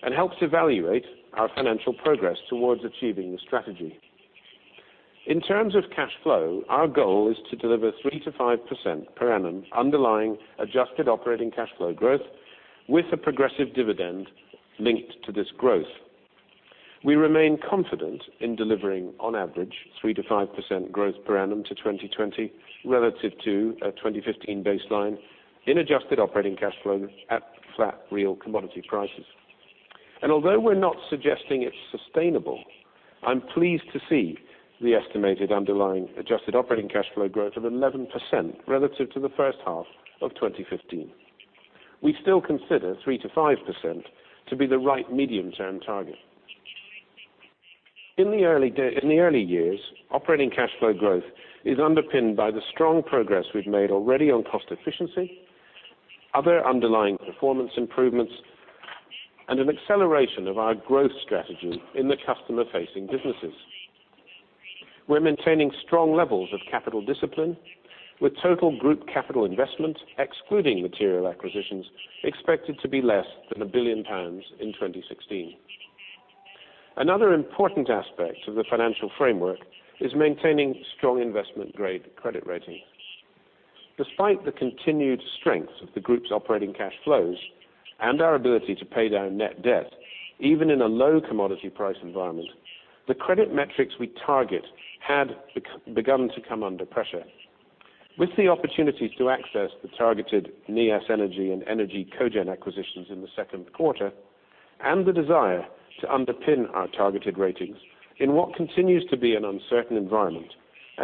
and helps evaluate our financial progress towards achieving the strategy. In terms of cash flow, our goal is to deliver 3%-5% per annum underlying adjusted operating cash flow growth with a progressive dividend linked to this growth. We remain confident in delivering on average 3%-5% growth per annum to 2020 relative to a 2015 baseline in adjusted operating cash flows at flat real commodity prices. Although we're not suggesting it's sustainable, I'm pleased to see the estimated underlying adjusted operating cash flow growth of 11% relative to the first half of 2015. We still consider 3%-5% to be the right medium-term target. In the early years, operating cash flow growth is underpinned by the strong progress we've made already on cost efficiency, other underlying performance improvements, and an acceleration of our growth strategy in the customer-facing businesses. We're maintaining strong levels of capital discipline with total group capital investment, excluding material acquisitions, expected to be less than 1 billion pounds in 2016. Another important aspect of the financial framework is maintaining strong investment grade credit rating. Despite the continued strength of the group's operating cash flows and our ability to pay down net debt, even in a low commodity price environment, the credit metrics we target had begun to come under pressure. With the opportunity to access the targeted Neas Energy and ENER-G Cogen acquisitions in the second quarter and the desire to underpin our targeted ratings in what continues to be an uncertain environment,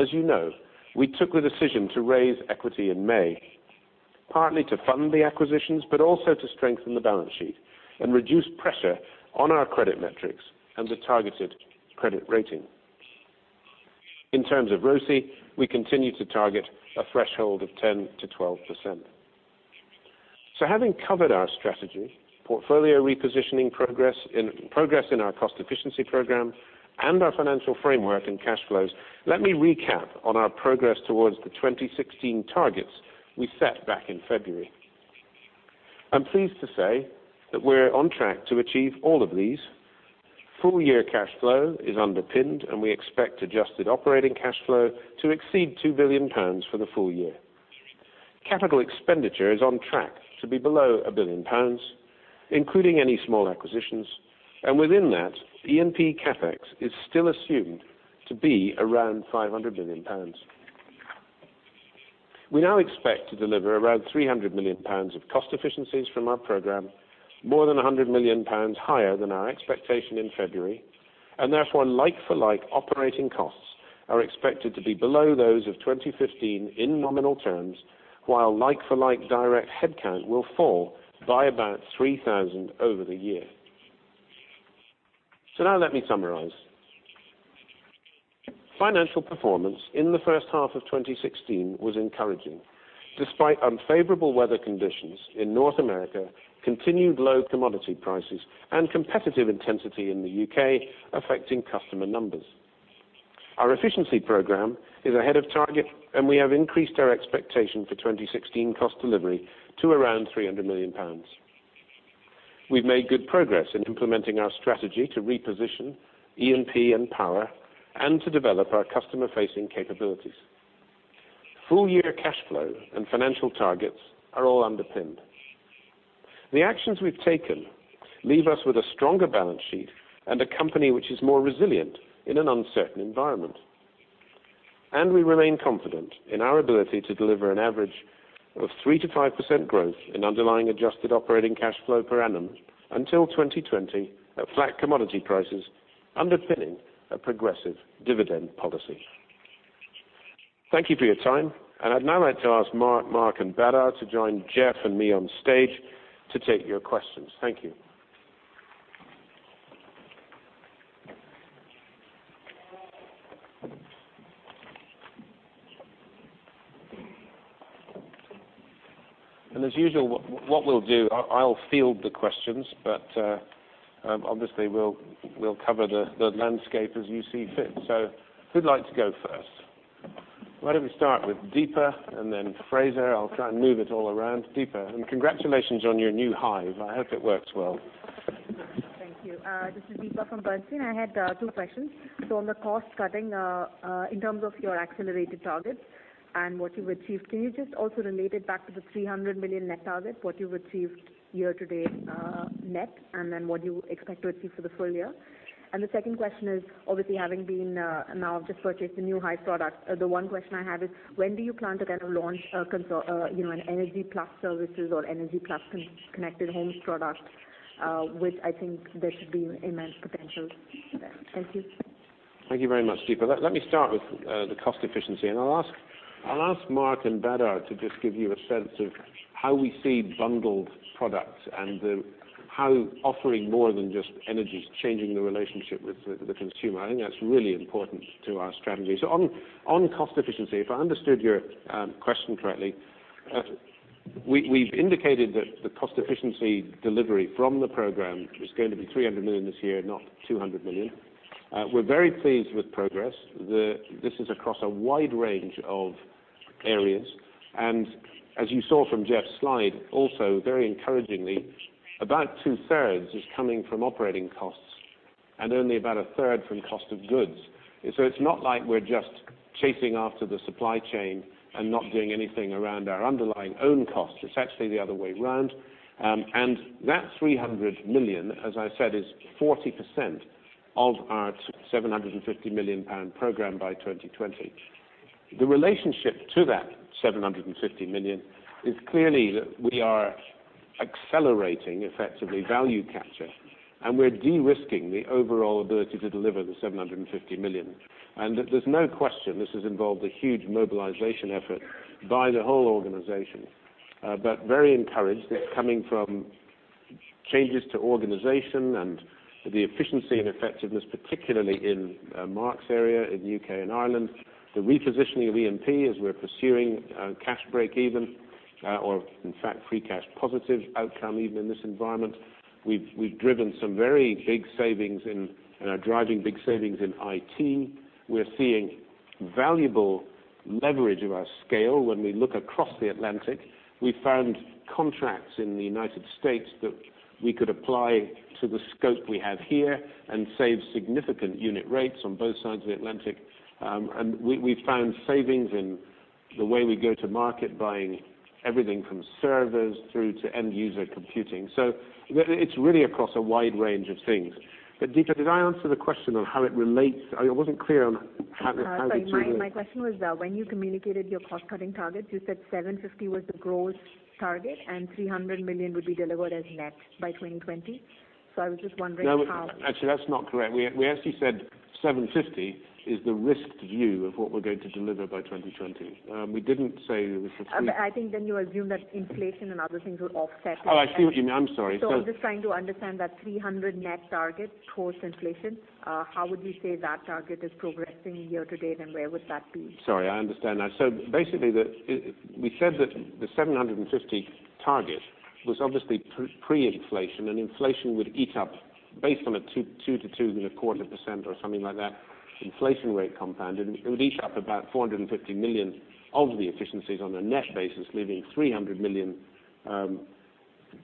as you know, we took the decision to raise equity in May, partly to fund the acquisitions, but also to strengthen the balance sheet and reduce pressure on our credit metrics and the targeted credit rating. In terms of ROCE, we continue to target a threshold of 10%-12%. Having covered our strategy, portfolio repositioning progress in our cost efficiency program, and our financial framework and cash flows, let me recap on our progress towards the 2016 targets we set back in February. I'm pleased to say that we're on track to achieve all of these. Full-year cash flow is underpinned, and we expect adjusted operating cash flow to exceed 2 billion pounds for the full year. Capital expenditure is on track to be below 1 billion pounds, including any small acquisitions, and within that, E&P CapEx is still assumed to be around 500 million pounds. We now expect to deliver around 300 million pounds of cost efficiencies from our program, more than 100 million pounds higher than our expectation in February, and therefore like-for-like operating costs are expected to be below those of 2015 in nominal terms, while like-for-like direct headcount will fall by about 3,000 over the year. Now let me summarize. Financial performance in the first half of 2016 was encouraging, despite unfavorable weather conditions in North America, continued low commodity prices, and competitive intensity in the U.K. affecting customer numbers. Our efficiency program is ahead of target. We have increased our expectation for 2016 cost delivery to around 300 million pounds. We've made good progress in implementing our strategy to reposition E&P and Power and to develop our customer-facing capabilities. Full-year cash flow and financial targets are all underpinned. The actions we've taken leave us with a stronger balance sheet and a company which is more resilient in an uncertain environment. We remain confident in our ability to deliver an average of 3%-5% growth in underlying adjusted operating cash flow per annum until 2020 at flat commodity prices, underpinning a progressive dividend policy. Thank you for your time. I'd now like to ask Mark and Badar to join Jeff and me on stage to take your questions. Thank you. As usual, what we'll do, I'll field the questions. Obviously, we'll cover the landscape as you see fit. Who'd like to go first? Why don't we start with Deepa and then Fraser? I'll try and move it all around. Deepa, congratulations on your new Hive. I hope it works well. Thank you. This is Deepa from Bernstein. I had two questions. On the cost cutting, in terms of your accelerated targets and what you've achieved, can you just also relate it back to the 300 million net target, what you've achieved year to date net, and then what you expect to achieve for the full year? The second question is, obviously, having been, now I've just purchased the new Hive product. The one question I have is, when do you plan to launch an energy plus services or energy plus connected homes product? Which I think there should be immense potential. Thank you. Thank you very much, Deepa. Let me start with the cost efficiency. I'll ask Mark and Badar to just give you a sense of how we see bundled products and how offering more than just energy, changing the relationship with the consumer. I think that's really important to our strategy. On cost efficiency, if I understood your question correctly, we've indicated that the cost efficiency delivery from the program is going to be 300 million this year, not 200 million. We're very pleased with progress. This is across a wide range of areas. As you saw from Jeff's slide, also very encouragingly, about two-thirds is coming from operating costs and only about a third from cost of goods. It's not like we're just chasing after the supply chain and not doing anything around our underlying own costs. It's actually the other way around. That 300 million, as I said, is 40% of our 750 million pound program by 2020. The relationship to that 750 million is clearly that we are accelerating, effectively, value capture, and we're de-risking the overall ability to deliver the 750 million. There's no question this has involved a huge mobilization effort by the whole organization. Very encouraged that coming from changes to organization and the efficiency and effectiveness, particularly in Mark's area in the U.K. and Ireland, the repositioning of E&P as we're pursuing cash breakeven, or in fact, free cash positive outcome even in this environment. We've driven some very big savings and are driving big savings in IT. We're seeing valuable leverage of our scale when we look across the Atlantic. We found contracts in the U.S. that we could apply to the scope we have here and save significant unit rates on both sides of the Atlantic. We found savings in the way we go to market, buying everything from servers through to end-user computing. It's really across a wide range of things. Deepa, did I answer the question on how it relates? I wasn't clear on how the 300- Sorry. My question was when you communicated your cost-cutting targets, you said 750 million was the growth target and 300 million would be delivered as net by 2020. I was just wondering how- No, actually, that's not correct. We actually said 750 million is the risked view of what we're going to deliver by 2020. We didn't say the 300- I think you assumed that inflation and other things would offset that. I see what you mean. I'm sorry. I'm just trying to understand that 300 net target post-inflation. How would you say that target is progressing year to date, and where would that be? Sorry, I understand that. Basically, we said that the 750 target was obviously pre-inflation, and inflation would eat up Based on a 2%-2.25% or something like that, inflation rate compounded, it would eat up about 450 million of the efficiencies on a net basis, leaving 300 million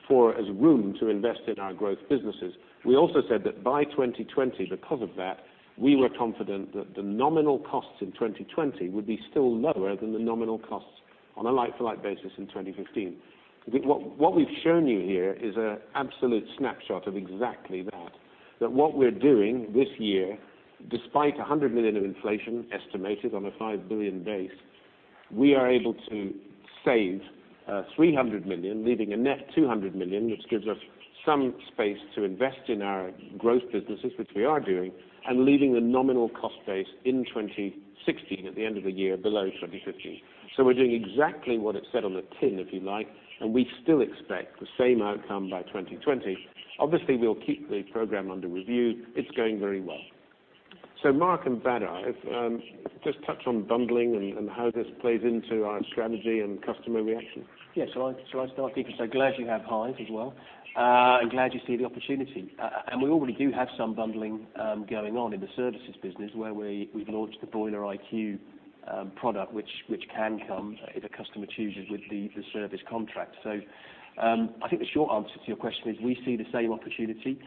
for as room to invest in our growth businesses. We also said that by 2020, because of that, we were confident that the nominal costs in 2020 would be still lower than the nominal costs on a like-for-like basis in 2015. What we've shown you here is an absolute snapshot of exactly that. What we're doing this year, despite 100 million of inflation estimated on a 5 billion base, we are able to save 300 million, leaving a net 200 million, which gives us some space to invest in our growth businesses, which we are doing, and leaving the nominal cost base in 2016 at the end of the year below 2015. We're doing exactly what it said on the tin, if you like, and we still expect the same outcome by 2020. Obviously, we'll keep the program under review. It's going very well. Mark and Badar, if just touch on bundling and how this plays into our strategy and customer reaction. Yes. Shall I start, Peter? Glad you have Hive as well, and glad you see the opportunity. We already do have some bundling going on in the services business where we've launched the Boiler IQ product, which can come if a customer chooses with the service contract. I think the short answer to your question is we see the same opportunity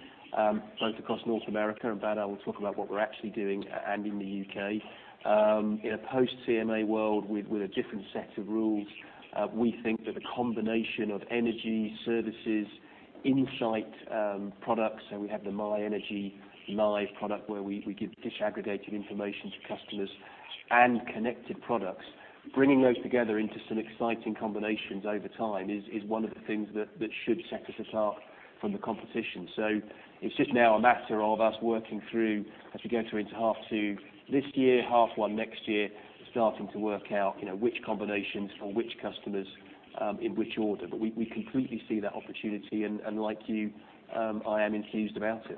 both across North America, and Badar will talk about what we're actually doing and in the U.K. In a post-CMA world with a different set of rules, we think that the combination of energy services, insight products, and we have the My Energy Live product where we give disaggregated information to customers and connected products. Bringing those together into some exciting combinations over time is one of the things that should set us apart from the competition. It's just now a matter of us working through, as we go through into half two this year, half one next year, starting to work out which combinations for which customers in which order. We completely see that opportunity, and like you, I am enthused about it.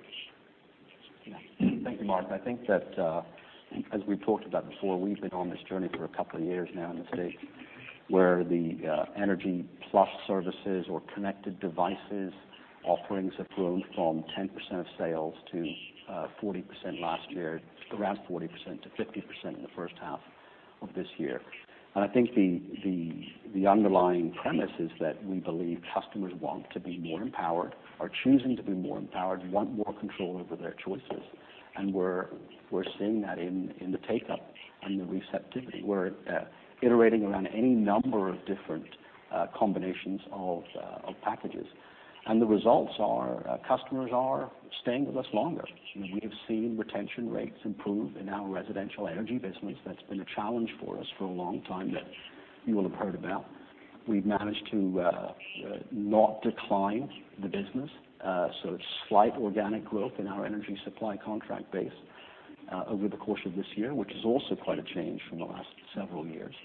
Thank you, Mark. I think that as we've talked about before, we've been on this journey for a couple of years now in the States where the energy plus services or connected devices offerings have grown from 10% of sales to 40% last year, around 40%-50% in the first half of this year. I think the underlying premise is that we believe customers want to be more empowered, are choosing to be more empowered, want more control over their choices, and we're seeing that in the take-up and the receptivity. We're iterating around any number of different combinations of packages. The results are customers are staying with us longer. We have seen retention rates improve in our residential energy business. That's been a challenge for us for a long time that you will have heard about. We've managed to not decline the business, so slight organic growth in our energy supply contract base over the course of this year, which is also quite a change from the last several years.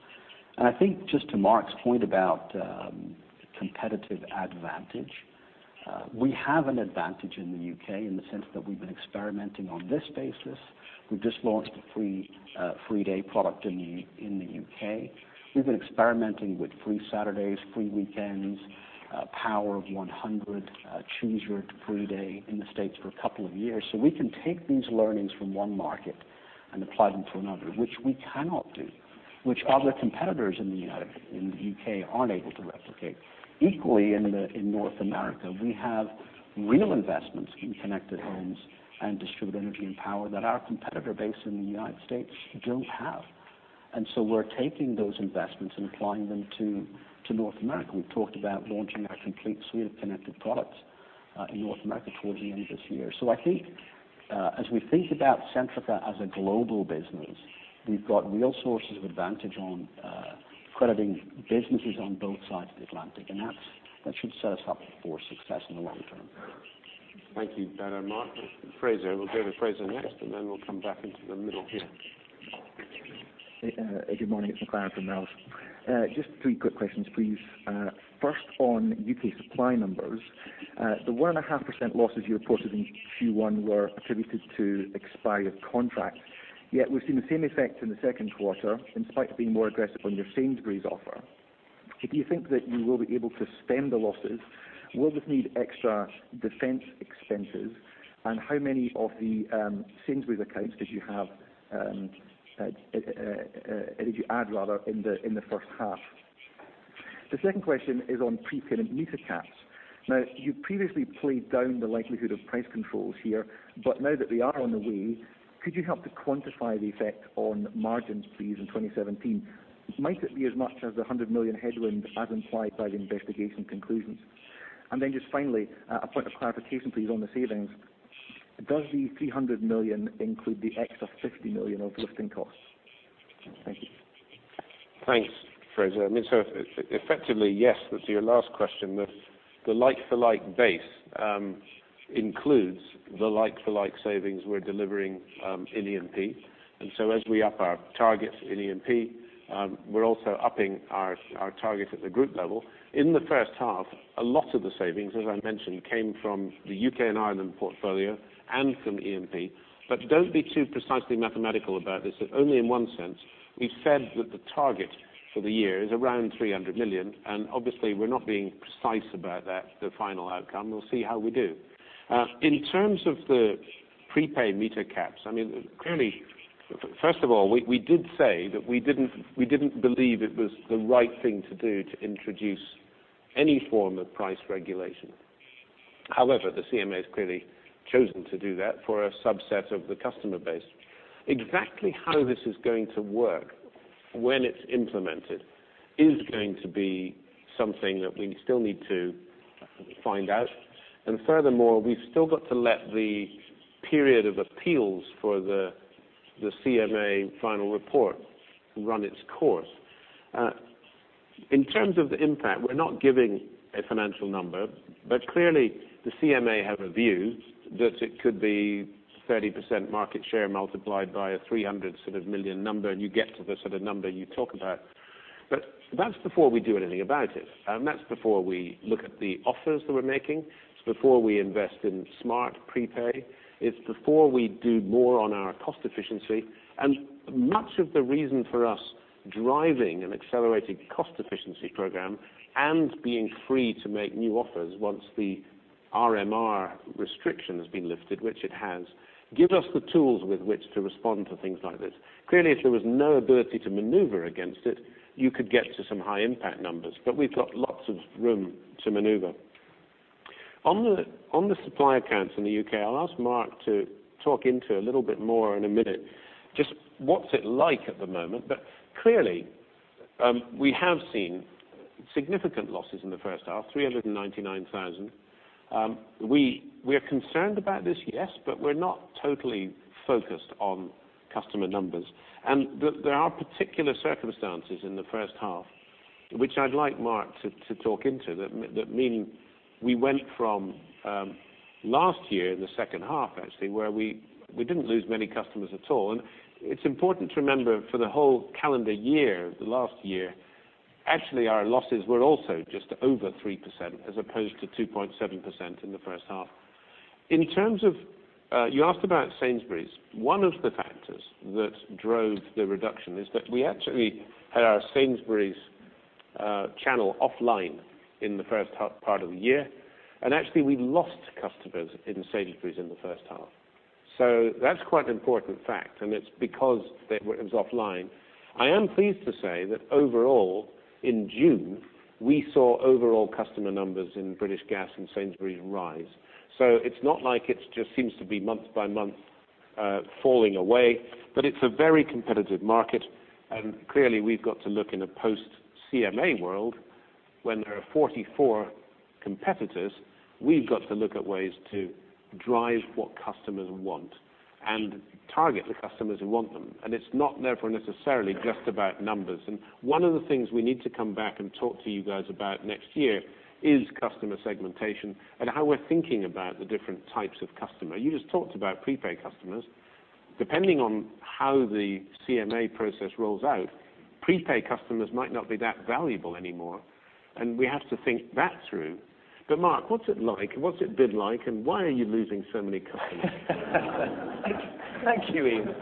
I think just to Mark's point about competitive advantage we have an advantage in the U.K. in the sense that we've been experimenting on this basis. We've just launched a free day product in the U.K. We've been experimenting with free Saturdays, free weekends, Power of 100, Choose Your Free Day in the States for a couple of years. We can take these learnings from one market and apply them to another, which we cannot do, which other competitors in the U.K. aren't able to replicate. Equally, in North America, we have real investments in Connected Home and distributed energy and power that our competitor base in the United States don't have. We're taking those investments and applying them to North America. We've talked about launching our complete suite of connected products in North America towards the end of this year. I think as we think about Centrica as a global business, we've got real sources of advantage on crediting businesses on both sides of the Atlantic, and that should set us up for success in the long term. Thank you, Badar and Mark. Fraser, we'll go to Fraser next, we'll come back into the middle here. Good morning. It's McLaren from Merrill's. Just three quick questions, please. First on U.K. supply numbers. The 1.5% losses you reported in Q1 were attributed to expired contracts. Yet we've seen the same effect in the second quarter, in spite of being more aggressive on your Sainsbury's offer. Do you think that you will be able to stem the losses? Will this need extra defense expenses? How many of the Sainsbury's accounts did you add in the first half? The second question is on pre-payment meter caps. You previously played down the likelihood of price controls here, but now that they are on the way, could you help to quantify the effect on margins, please, in 2017? Might it be as much as the 100 million headwind as implied by the investigation conclusions? Just finally, a point of clarification, please, on the savings. Does the 300 million include the extra 50 million of lifting costs? Thank you. Thanks, Fraser. I mean, effectively, yes to your last question. The like-for-like base includes the like-for-like savings we're delivering in E&P. As we up our targets in E&P, we're also upping our targets at the group level. In the first half, a lot of the savings, as I mentioned, came from the U.K. and Ireland portfolio and from E&P. Don't be too precisely mathematical about this. Only in one sense, we've said that the target for the year is around 300 million, and obviously, we're not being precise about that, the final outcome. We'll see how we do. In terms of the prepaid meter caps, I mean, clearly, first of all, we didn't believe it was the right thing to do to introduce any form of price regulation. The CMA has clearly chosen to do that for a subset of the customer base. Exactly how this is going to work when it's implemented is going to be something that we still need to find out. Furthermore, we've still got to let the period of appeals for the CMA final report run its course. In terms of the impact, we're not giving a financial number. Clearly the CMA have a view that it could be 30% market share multiplied by a 300 million number, and you get to the sort of number you talk about. That's before we do anything about it, and that's before we look at the offers that we're making. It's before we invest in smart prepaid. It's before we do more on our cost efficiency. Much of the reason for us driving an accelerated cost efficiency program and being free to make new offers once the RMR restriction has been lifted, which it has, gives us the tools with which to respond to things like this. Clearly, if there was no ability to maneuver against it, you could get to some high-impact numbers. We've got lots of room to maneuver. On the supply accounts in the U.K., I'll ask Mark to talk into a little bit more in a minute, just what's it like at the moment. Clearly, we have seen significant losses in the first half, 399,000. We are concerned about this, yes, but we're not totally focused on customer numbers. There are particular circumstances in the first half which I'd like Mark to talk into, meaning we went from last year, in the second half actually, where we didn't lose many customers at all. It's important to remember for the whole calendar year, the last year, actually our losses were also just over 3% as opposed to 2.7% in the first half. You asked about Sainsbury's. One of the factors that drove the reduction is that we actually had our Sainsbury's channel offline in the first part of the year. Actually we lost customers in Sainsbury's in the first half. That's quite an important fact, and it's because it was offline. I am pleased to say that overall, in June, we saw overall customer numbers in British Gas and Sainsbury's rise. It's not like it just seems to be month by month falling away. It's a very competitive market, and clearly we've got to look in a post-CMA world when there are 44 competitors. We've got to look at ways to drive what customers want and target the customers who want them. It's not therefore necessarily just about numbers. One of the things we need to come back and talk to you guys about next year is customer segmentation and how we're thinking about the different types of customer. You just talked about prepaid customers. Depending on how the CMA process rolls out, prepaid customers might not be that valuable anymore, and we have to think that through. Mark, what's it like? What's it been like, and why are you losing so many customers? Thank you, Iain.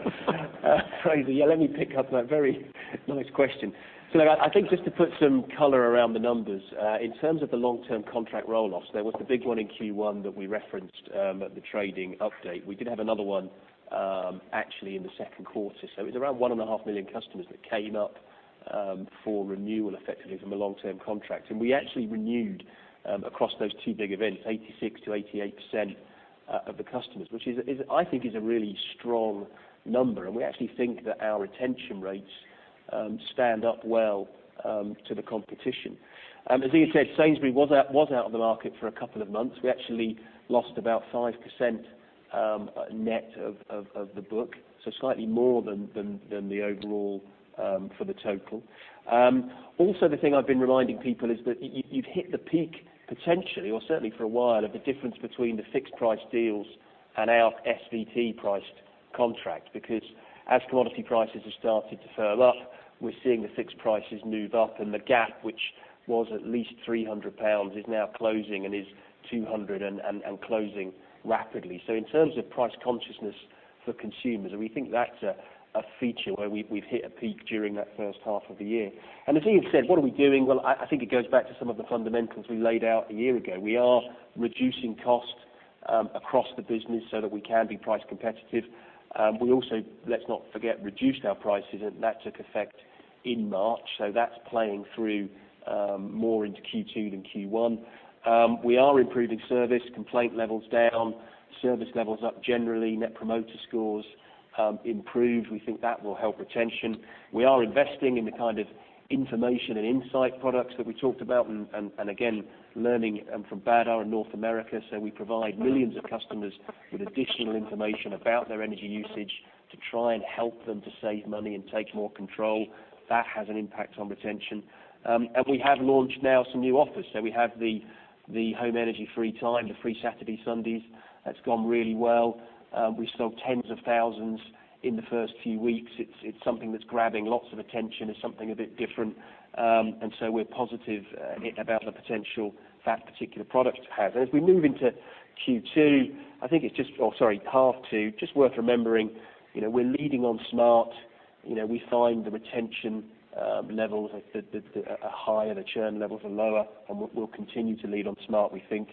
Crazy. Yeah, let me pick up that very nice question. I think just to put some color around the numbers, in terms of the long-term contract roll-offs, there was the big one in Q1 that we referenced at the trading update. We did have another one actually in the second quarter. It was around 1.5 million customers that came up for renewal, effectively, from a long-term contract. We actually renewed, across those two big events, 86%-88% of the customers, which I think is a really strong number, and we actually think that our retention rates stand up well to the competition. As Iain said, Sainsbury's was out of the market for a couple of months. We actually lost about 5% net of the book, so slightly more than the overall for the total. The thing I've been reminding people is that you've hit the peak, potentially or certainly for a while, of the difference between the fixed price deals and our SVT-priced contract because as commodity prices have started to firm up, we're seeing the fixed prices move up and the gap, which was at least 300 pounds, is now closing and is 200 and closing rapidly. In terms of price consciousness for consumers, and we think that's a feature where we've hit a peak during that first half of the year. As Iain said, what are we doing? Well, I think it goes back to some of the fundamentals we laid out a year ago. We are reducing costs across the business so that we can be price competitive. We also, let's not forget, reduced our prices, that took effect in March, that's playing through more into Q2 than Q1. We are improving service, complaint levels down, service levels up generally, net promoter scores improved. We think that will help retention. We are investing in the kind of information and insight products that we talked about, again, learning from Badar in North America. We provide millions of customers with additional information about their energy usage to try and help them to save money and take more control. That has an impact on retention. We have launched now some new offers. We have the HomeEnergy FreeTime, the free Saturday, Sundays. That's gone really well. We've sold tens of thousands in the first few weeks. It's something that's grabbing lots of attention. It's something a bit different, we're positive about the potential that particular product has. As we move into Q2, I think it's just half two, just worth remembering, we're leading on smart. We find the retention levels are higher, the churn levels are lower, we'll continue to lead on smart, we think.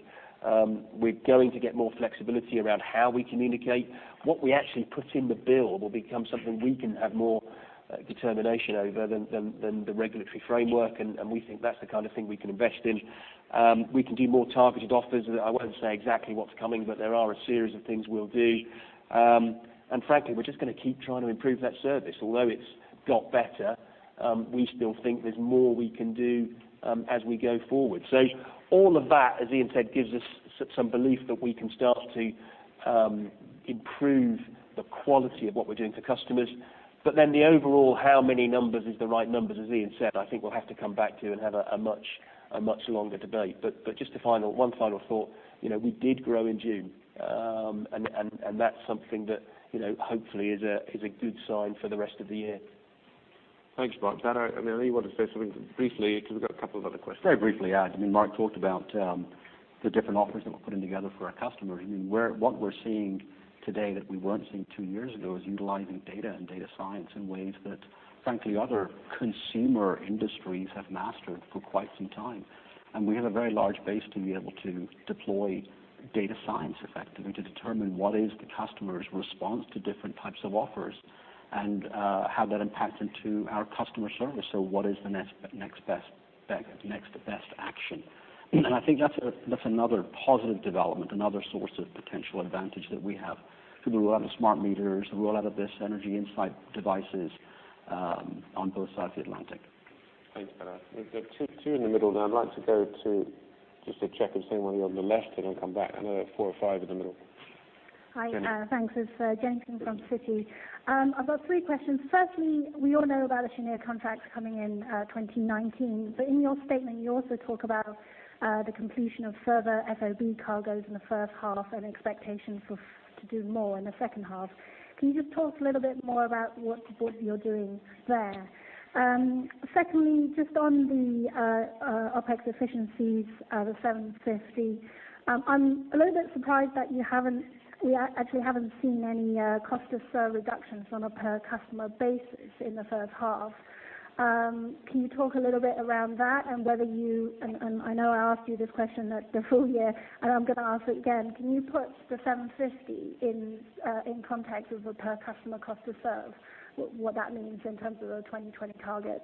We're going to get more flexibility around how we communicate. What we actually put in the bill will become something we can have more determination over than the regulatory framework, we think that's the kind of thing we can invest in. We can do more targeted offers. I won't say exactly what's coming, there are a series of things we'll do. Frankly, we're just going to keep trying to improve that service. Although it's got better, we still think there's more we can do as we go forward. All of that, as Iain said, gives us some belief that we can start to improve the quality of what we're doing for customers. The overall how many numbers is the right numbers, as Iain said, I think we'll have to come back to and have a much longer debate. Just one final thought. We did grow in June, that's something that hopefully is a good sign for the rest of the year. Thanks, Mark. I know you want to say something briefly because we've got a couple of other questions. Very briefly, Mark talked about the different offers that we're putting together for our customers. What we're seeing today that we weren't seeing two years ago is utilizing data and data science in ways that, frankly, other consumer industries have mastered for quite some time. We have a very large base to be able to deploy data science effectively to determine what is the customer's response to different types of offers and how that impacts into our customer service. What is the next best action? I think that's another positive development, another source of potential advantage that we have through the rollout of smart meters, the rollout of this energy insight devices on both sides of the Atlantic. Thanks, Badar. We've got two in the middle. I'd like to go to just to check if there's anyone here on the left, then come back. I know there are four or five in the middle. Hi. Thanks. It's Jenkins from Citi. I've got three questions. Firstly, we all know about the Cheniere contracts coming in 2019. In your statement, you also talk about the completion of further FOB cargoes in the first half and expectations to do more in the second half. Can you just talk a little bit more about what you're doing there? Secondly, just on the OpEx efficiencies, the 750. I'm a little bit surprised that we actually haven't seen any cost to serve reductions on a per customer basis in the first half. Can you talk a little around that and I know I asked you this question at the full year, and I'm going to ask it again. Can you put the 750 in context of a per customer cost to serve, what that means in terms of the 2020 target?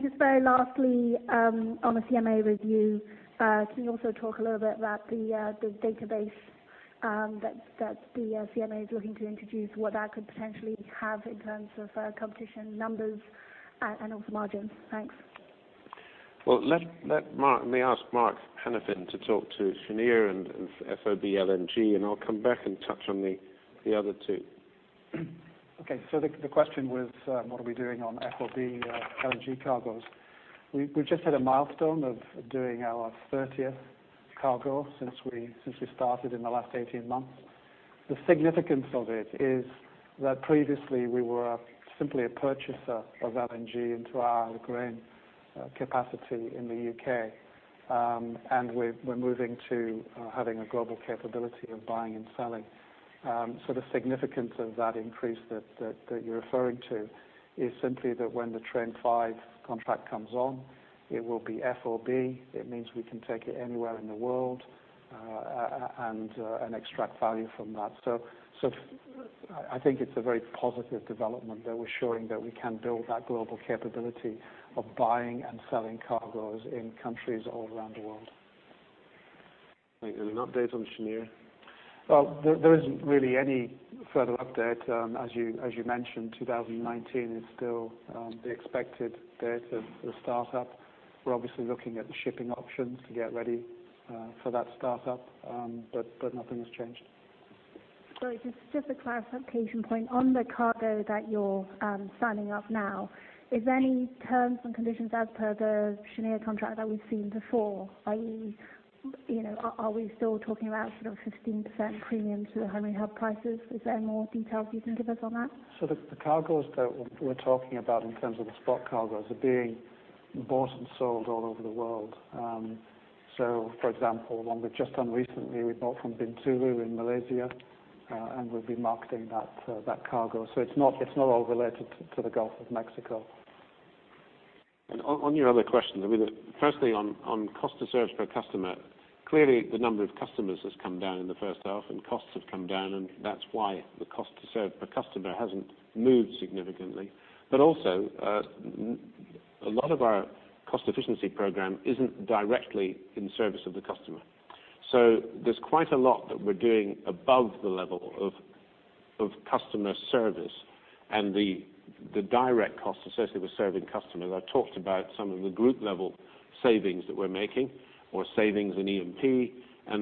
Just very lastly, on the CMA review, can you also talk a little bit about the database that the CMA is looking to introduce, what that could potentially have in terms of competition numbers and also margins? Thanks. Well, let me ask Mark Hanafin to talk to Cheniere and FOB LNG, and I'll come back and touch on the other two. Okay. The question was, what are we doing on FOB LNG cargoes? We've just hit a milestone of doing our 30th cargo since we started in the last 18 months. The significance of it is that previously we were simply a purchaser of LNG into our Grain capacity in the U.K., and we're moving to having a global capability of buying and selling. The significance of that increase that you're referring to is simply that when the Train 5 contract comes on, it will be FOB. It means we can take it anywhere in the world, and extract value from that. I think it's a very positive development that we're showing that we can build that global capability of buying and selling cargoes in countries all around the world. An update on Cheniere? Well, there isn't really any further update. As you mentioned, 2019 is still the expected date of the startup. We're obviously looking at the shipping options to get ready for that startup, but nothing has changed. Sorry, just a clarification point on the cargo that you're standing up now. Is there any terms and conditions as per the Cheniere contract that we've seen before? Are we still talking about 15% premium to the Henry Hub prices? Is there more details you can give us on that? The cargoes that we're talking about in terms of the spot cargoes are being bought and sold all over the world. For example, one we've just done recently, we bought from Bintulu in Malaysia, and we'll be marketing that cargo. It's not all related to the Gulf of Mexico. On your other question, I mean, firstly, on cost to serve per customer, clearly the number of customers has come down in the first half and costs have come down, and that's why the cost to serve per customer hasn't moved significantly. Also, a lot of our cost efficiency program isn't directly in service of the customer. There's quite a lot that we're doing above the level of customer service and the direct costs associated with serving customers. I talked about some of the group-level savings that we're making or savings in E&P.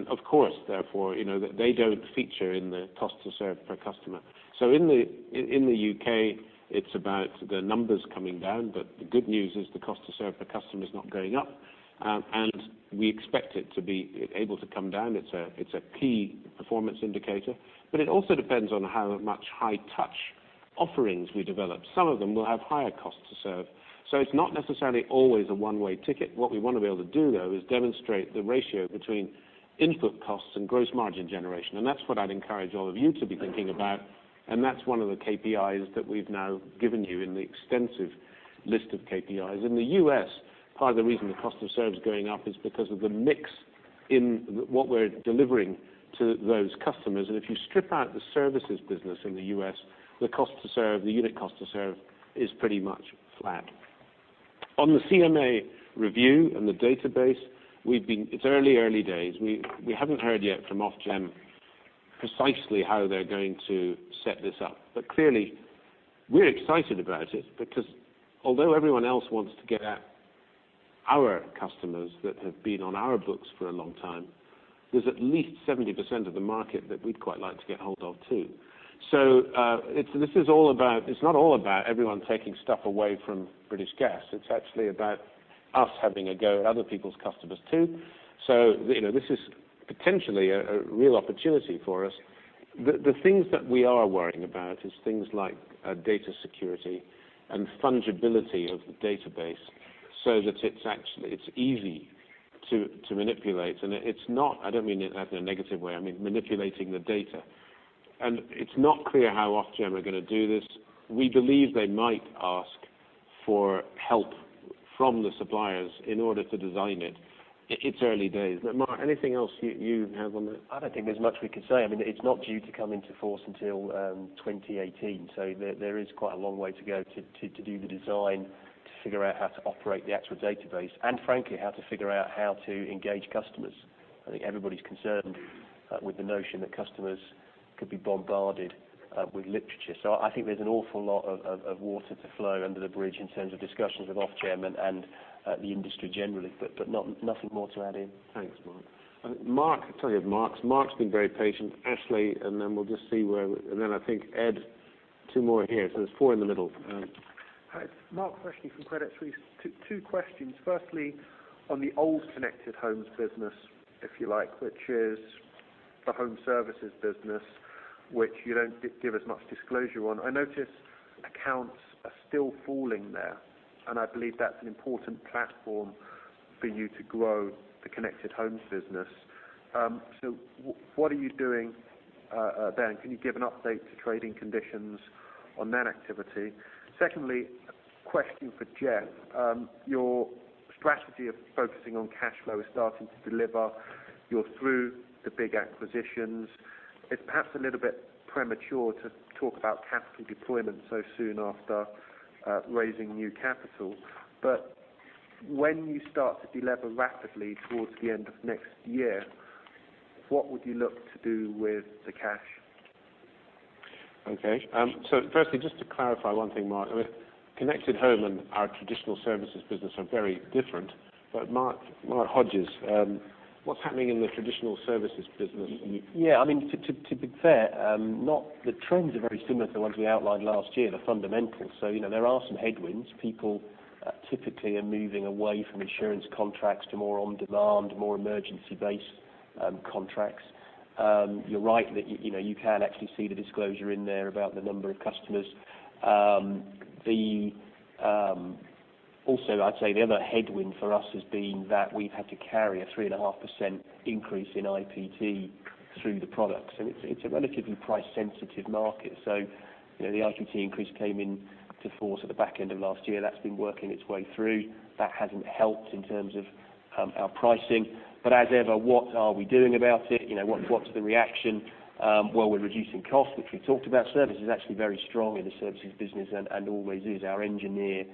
Of course, therefore, they don't feature in the cost to serve per customer. In the U.K., it's about the numbers coming down, but the good news is the cost to serve per customer is not going up. We expect it to be able to come down. It's a key performance indicator. It also depends on how much high-touch offerings we develop. Some of them will have higher costs to serve. It's not necessarily always a one-way ticket. What we want to be able to do, though, is demonstrate the ratio between input costs and gross margin generation. That's what I'd encourage all of you to be thinking about. That's one of the KPIs that we've now given you in the extensive list of KPIs. In the U.S.- Part of the reason the cost to serve is going up is because of the mix in what we're delivering to those customers. If you strip out the services business in the U.S., the unit cost to serve is pretty much flat. On the CMA review and the database, it's early days. We haven't heard yet from Ofgem precisely how they're going to set this up. Clearly, we're excited about it, because although everyone else wants to get at our customers that have been on our books for a long time, there's at least 70% of the market that we'd quite like to get hold of, too. It's not all about everyone taking stuff away from British Gas. It's actually about us having a go at other people's customers, too. This is potentially a real opportunity for us. The things that we are worrying about is things like data security and fungibility of the database so that it's easy to manipulate. I don't mean it that in a negative way, I mean manipulating the data. It's not clear how Ofgem are going to do this. We believe they might ask for help from the suppliers in order to design it. It's early days. Mark, anything else you have on that? I don't think there's much we can say. It's not due to come into force until 2018, there is quite a long way to go to do the design, to figure out how to operate the actual database, and frankly, how to figure out how to engage customers. I think everybody's concerned with the notion that customers could be bombarded with literature. I think there's an awful lot of water to flow under the bridge in terms of discussions with Ofgem and the industry generally, but nothing more to add in. Thanks, Mark. Sorry, it's Mark's. Mark's been very patient. Ashley, and then I think Ed, two more here. There's four in the middle. Hi. It's Mark Freshney from Credit Suisse. Two questions. Firstly, on the old Connected Home business, if you like, which is the Home Services business, which you don't give as much disclosure on. I notice accounts are still falling there, and I believe that's an important platform for you to grow the Connected Home business. What are you doing there? Can you give an update to trading conditions on that activity? Secondly, a question for Jeff. Your strategy of focusing on cash flow is starting to deliver. You're through the big acquisitions. It's perhaps a little bit premature to talk about capital deployment so soon after raising new capital. When you start to de-lever rapidly towards the end of next year, what would you look to do with the cash? Okay. Firstly, just to clarify one thing, Mark. Connected Home and our traditional services business are very different. Mark Hodges, what's happening in the traditional services business? Yeah. To be fair, the trends are very similar to the ones we outlined last year, the fundamentals. There are some headwinds. People typically are moving away from insurance contracts to more on-demand, more emergency-based contracts. You're right that you can actually see the disclosure in there about the number of customers. Also, I'd say the other headwind for us has been that we've had to carry a 3.5% increase in IPT through the products, and it's a relatively price-sensitive market. The IPT increase came into force at the back end of last year. That's been working its way through. That hasn't helped in terms of our pricing. As ever, what are we doing about it? What's the reaction? Well, we're reducing cost, which we talked about. Service is actually very strong in the services business and always is. Our engineer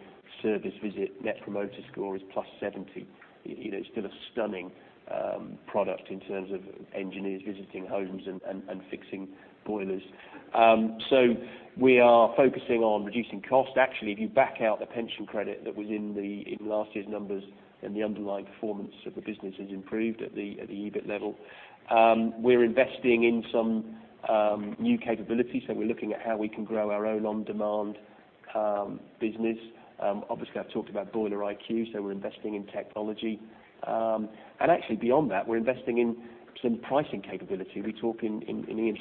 service visit net promoter score is +70. It's still a stunning product in terms of engineers visiting homes and fixing boilers. We are focusing on reducing cost. Actually, if you back out the pension credit that was in last year's numbers, then the underlying performance of the business has improved at the EBIT level. We're investing in some new capabilities. We're looking at how we can grow our own on-demand business. Obviously, I've talked about Boiler IQ, we're investing in technology. And actually, beyond that, we're investing in some pricing capability. Iain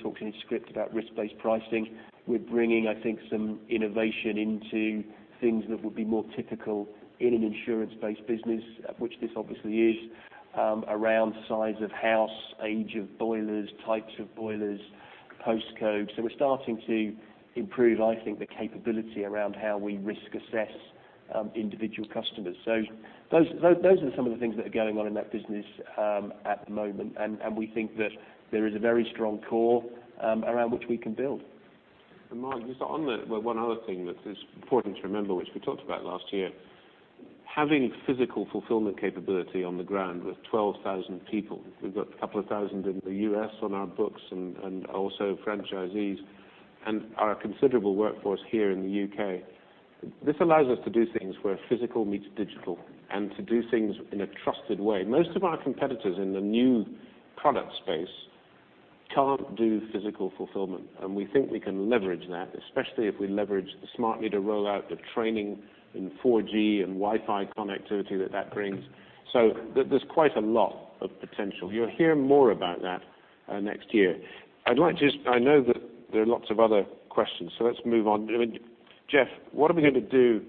talks in his script about risk-based pricing. We're bringing, I think, some innovation into things that would be more typical in an insurance-based business, which this obviously is, around size of house, age of boilers, types of boilers, postcodes. We're starting to improve, I think, the capability around how we risk assess individual customers. Those are some of the things that are going on in that business at the moment, and we think that there is a very strong core around which we can build. And Mark, just on the one other thing that is important to remember, which we talked about last year. Having physical fulfillment capability on the ground with 12,000 people. We've got a couple of thousand in the U.S. on our books, and also franchisees, and our considerable workforce here in the U.K. This allows us to do things where physical meets digital, and to do things in a trusted way. Most of our competitors in the new product space can't do physical fulfillment, and we think we can leverage that, especially if we leverage the smart meter rollout, the training in 4G and Wi-Fi connectivity that that brings. There's quite a lot of potential. You'll hear more about that next year. I know that there are lots of other questions, let's move on. Jeff, what are we going to do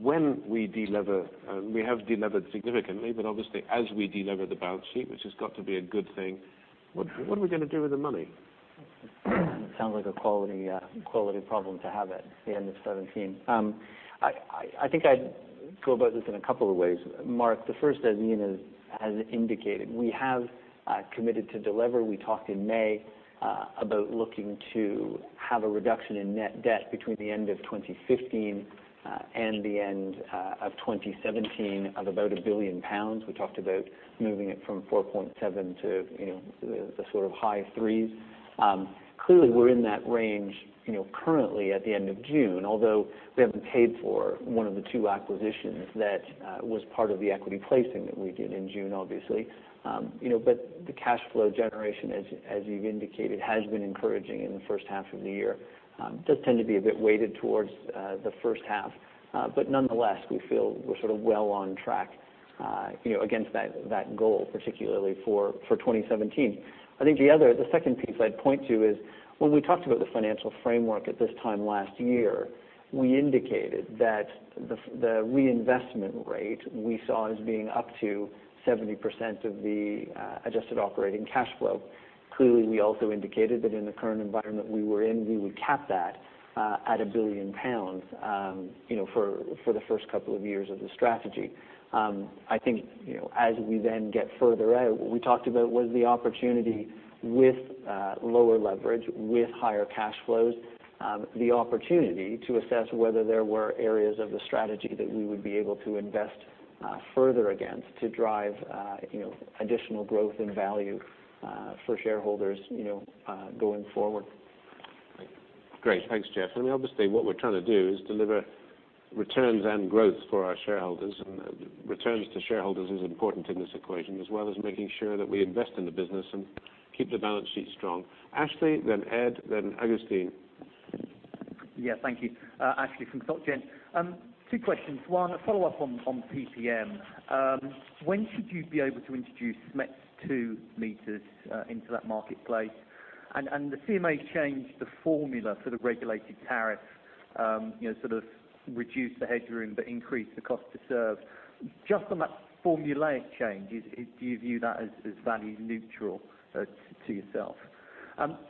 when we de-lever? We have de-levered significantly, obviously as we de-lever the balance sheet, which has got to be a good thing, what are we going to do with the money? It sounds like a quality problem to have at the end of 2017. I think I'd go about this in a couple of ways, Mark. The first, as Iain has indicated, we have committed to deliver. We talked in May about looking to have a reduction in net debt between the end of 2015 and the end of 2017 of about 1 billion pounds. We talked about moving it from 4.7 to the sort of high threes. Clearly, we're in that range currently at the end of June, although we haven't paid for one of the two acquisitions that was part of the equity placing that we did in June, obviously. The cash flow generation, as you've indicated, has been encouraging in the first half of the year. Does tend to be a bit weighted towards the first half. Nonetheless, we feel we're sort of well on track against that goal, particularly for 2017. The second piece I'd point to is when we talked about the financial framework at this time last year, we indicated that the reinvestment rate we saw as being up to 70% of the adjusted operating cash flow. Clearly, we also indicated that in the current environment we were in, we would cap that at £1 billion for the first couple of years of the strategy. As we then get further out, what we talked about was the opportunity with lower leverage, with higher cash flows, the opportunity to assess whether there were areas of the strategy that we would be able to invest further against to drive additional growth and value for shareholders going forward. Great. Thanks, Jeff. Obviously, what we're trying to do is deliver returns and growth for our shareholders, and returns to shareholders is important in this equation, as well as making sure that we invest in the business and keep the balance sheet strong. Ashley, then Ed, then Augustine. Thank you. Ashley from Soc Gen. Two questions. One follow-up on PPM. When should you be able to introduce SMETS2 meters into that marketplace? The CMA changed the formula for the regulated tariff, sort of reduced the headroom but increased the cost to serve. Just on that formulaic change, do you view that as value neutral to yourself?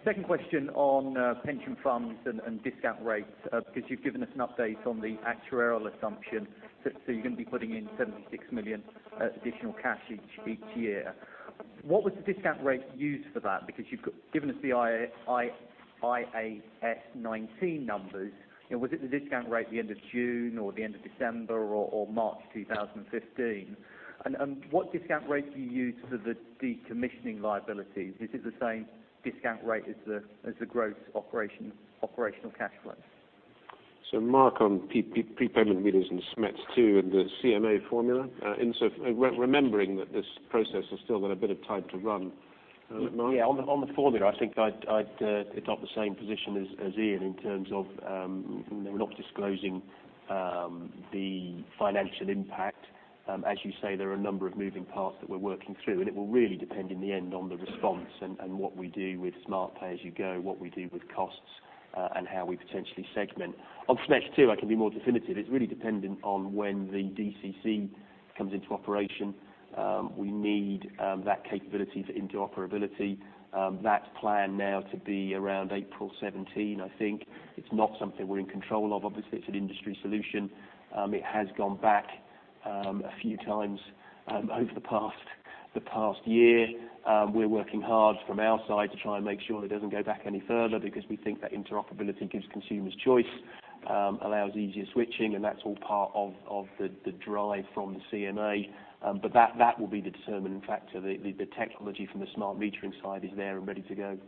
Second question on pension funds and discount rates, because you've given us an update on the actuarial assumption. You're going to be putting in 76 million additional cash each year. What was the discount rate used for that? Because you've given us the IAS 19 numbers. Was it the discount rate at the end of June or the end of December or March 2015? What discount rate do you use for the decommissioning liabilities? Is it the same discount rate as the gross operational cash flow? Mark, on prepayment meters and SMETS2 and the CMA formula? Remembering that this process has still got a bit of time to run. Mark? Yeah. On the formula, I think I adopt the same position as Iain in terms of we're not disclosing the financial impact. As you say, there are a number of moving parts that we're working through, and it will really depend in the end on the response and what we do with smart pay as you go, what we do with costs, and how we potentially segment. On SMETS2, I can be more definitive. It's really dependent on when the DCC comes into operation. We need that capability for interoperability. That's planned now to be around April 2017, I think. It's not something we're in control of. It's an industry solution. It has gone back a few times over the past year. We're working hard from our side to try and make sure that it doesn't go back any further because we think that interoperability gives consumers choice, allows easier switching, and that's all part of the drive from the CMA. That will be the determining factor. The technology from the smart metering side is there and ready to go.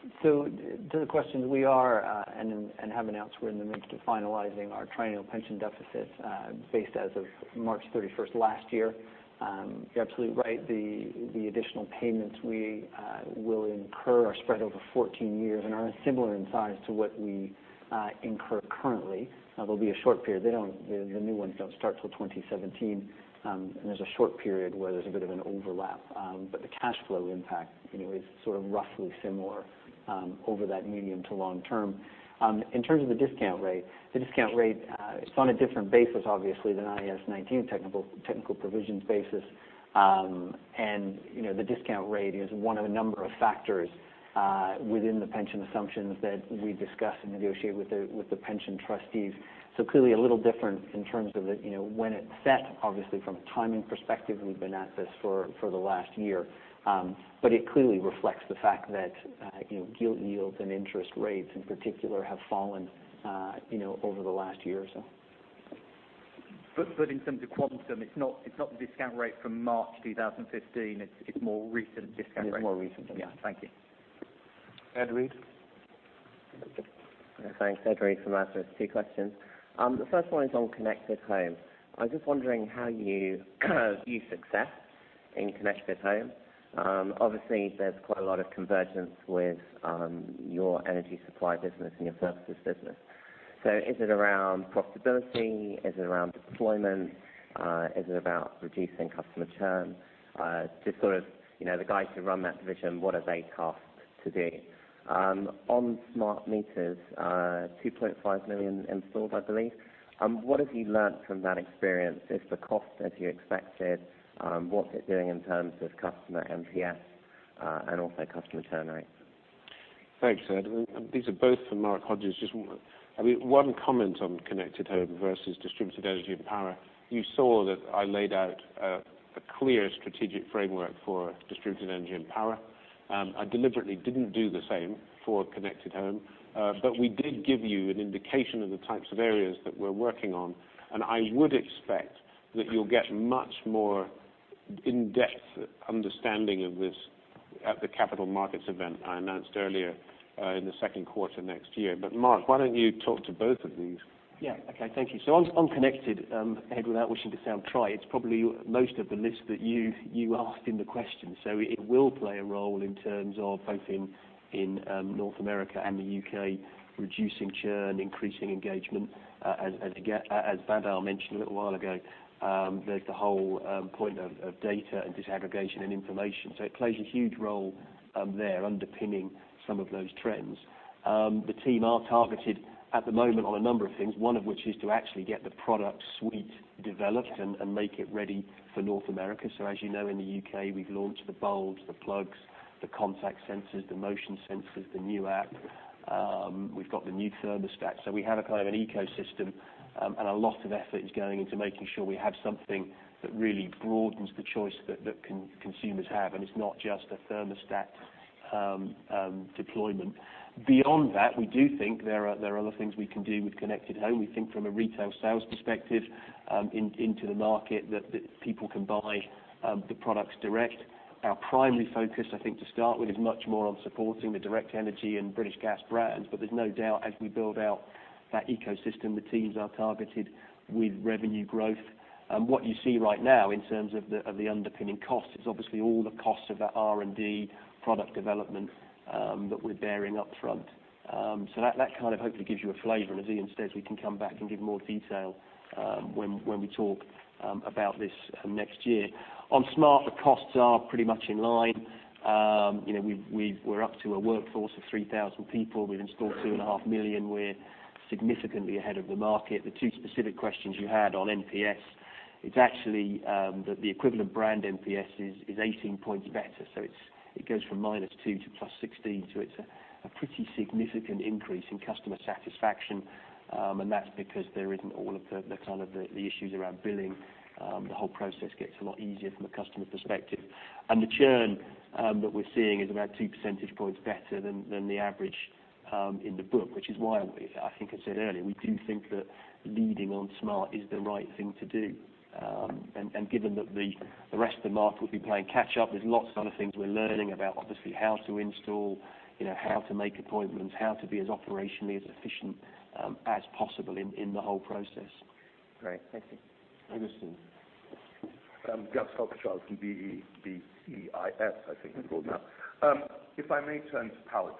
Jeff, pensions. Yeah. To the question, we are and have announced we're in the midst of finalizing our triennial pension deficit based as of March 31st last year. You're absolutely right. The additional payments we will incur are spread over 14 years and are similar in size to what we incur currently. There'll be a short period. The new ones don't start till 2017, and there's a short period where there's a bit of an overlap. The cash flow impact is sort of roughly similar over that medium to long term. In terms of the discount rate, the discount rate is on a different basis, obviously, than IAS 19 technical provisions basis. The discount rate is one of a number of factors within the pension assumptions that we discuss and negotiate with the pension trustees. Clearly a little different in terms of when it's set. From a timing perspective, we've been at this for the last year. It clearly reflects the fact that gilt yields and interest rates in particular have fallen over the last year or so. In terms of quantum, it's not the discount rate from March 2015. It's more recent discount rate. It's more recent than that. Yeah. Thank you. Ed Reid. Thanks. Ed Reid from lazarus. Two questions. The first one is on Connected Home. I was just wondering how you view success in Connected Home. Obviously, there's quite a lot of convergence with your energy supply business and your services business. Is it around profitability? Is it around deployment? Is it about reducing customer churn? Just sort of the guys who run that division, what are they tasked to do? On smart meters, 2.5 million installed, I believe. What have you learned from that experience? Is the cost as you expected? What's it doing in terms of customer NPS and also customer churn rates? Thanks, Ed. These are both for Mark Hodges. Just one comment on Connected Home versus Distributed Energy and Power. You saw that I laid out a clear strategic framework for Distributed Energy and Power. I deliberately didn't do the same for Connected Home. We did give you an indication of the types of areas that we're working on, and I would expect that you'll get much more in-depth understanding of this at the capital markets event I announced earlier in the second quarter next year. Mark, why don't you talk to both of these? Yeah. Okay, thank you. On Connected, Ed, without wishing to sound trite, it's probably most of the list that you asked in the question. It will play a role in terms of both in North America and the U.K., reducing churn, increasing engagement. As Badar mentioned a little while ago, there's the whole point of data and disaggregation and information. It plays a huge role there underpinning some of those trends. The team are targeted at the moment on a number of things, one of which is to actually get the product suite developed and make it ready for North America. As you know, in the U.K., we've launched the bulbs, the plugs, the contact sensors, the motion sensors, the new app. We've got the new thermostat. We have a kind of an ecosystem. A lot of effort is going into making sure we have something that really broadens the choice that consumers have. It's not just a thermostat deployment. Beyond that, we do think there are other things we can do with Connected Home. We think from a retail sales perspective into the market, that people can buy the products direct. Our primary focus, I think, to start with, is much more on supporting the Direct Energy and British Gas brands. There's no doubt, as we build out that ecosystem, the teams are targeted with revenue growth. What you see right now in terms of the underpinning cost is obviously all the costs of that R&D product development that we're bearing upfront. That kind of hopefully gives you a flavor. As Iain says, we can come back and give more detail when we talk about this next year. On Smart, the costs are pretty much in line. We're up to a workforce of 3,000 people. We've installed 2.5 million. We're significantly ahead of the market. The two specific questions you had on NPS, it's actually that the equivalent brand NPS is 18 points better, so it goes from minus two to plus 16. It's a pretty significant increase in customer satisfaction, and that's because there isn't all of the kind of the issues around billing. The whole process gets a lot easier from a customer perspective. The churn that we're seeing is about 2 percentage points better than the average in the book, which is why I think I said earlier, we do think that leading on Smart is the right thing to do. Given that the rest of the market will be playing catch up, there's lots of other things we're learning about, obviously, how to install, how to make appointments, how to be as operationally as efficient as possible in the whole process. Great. Thank you. Augustine. Gus Hoochchar from BCIS, I think we call now. If I may turn to power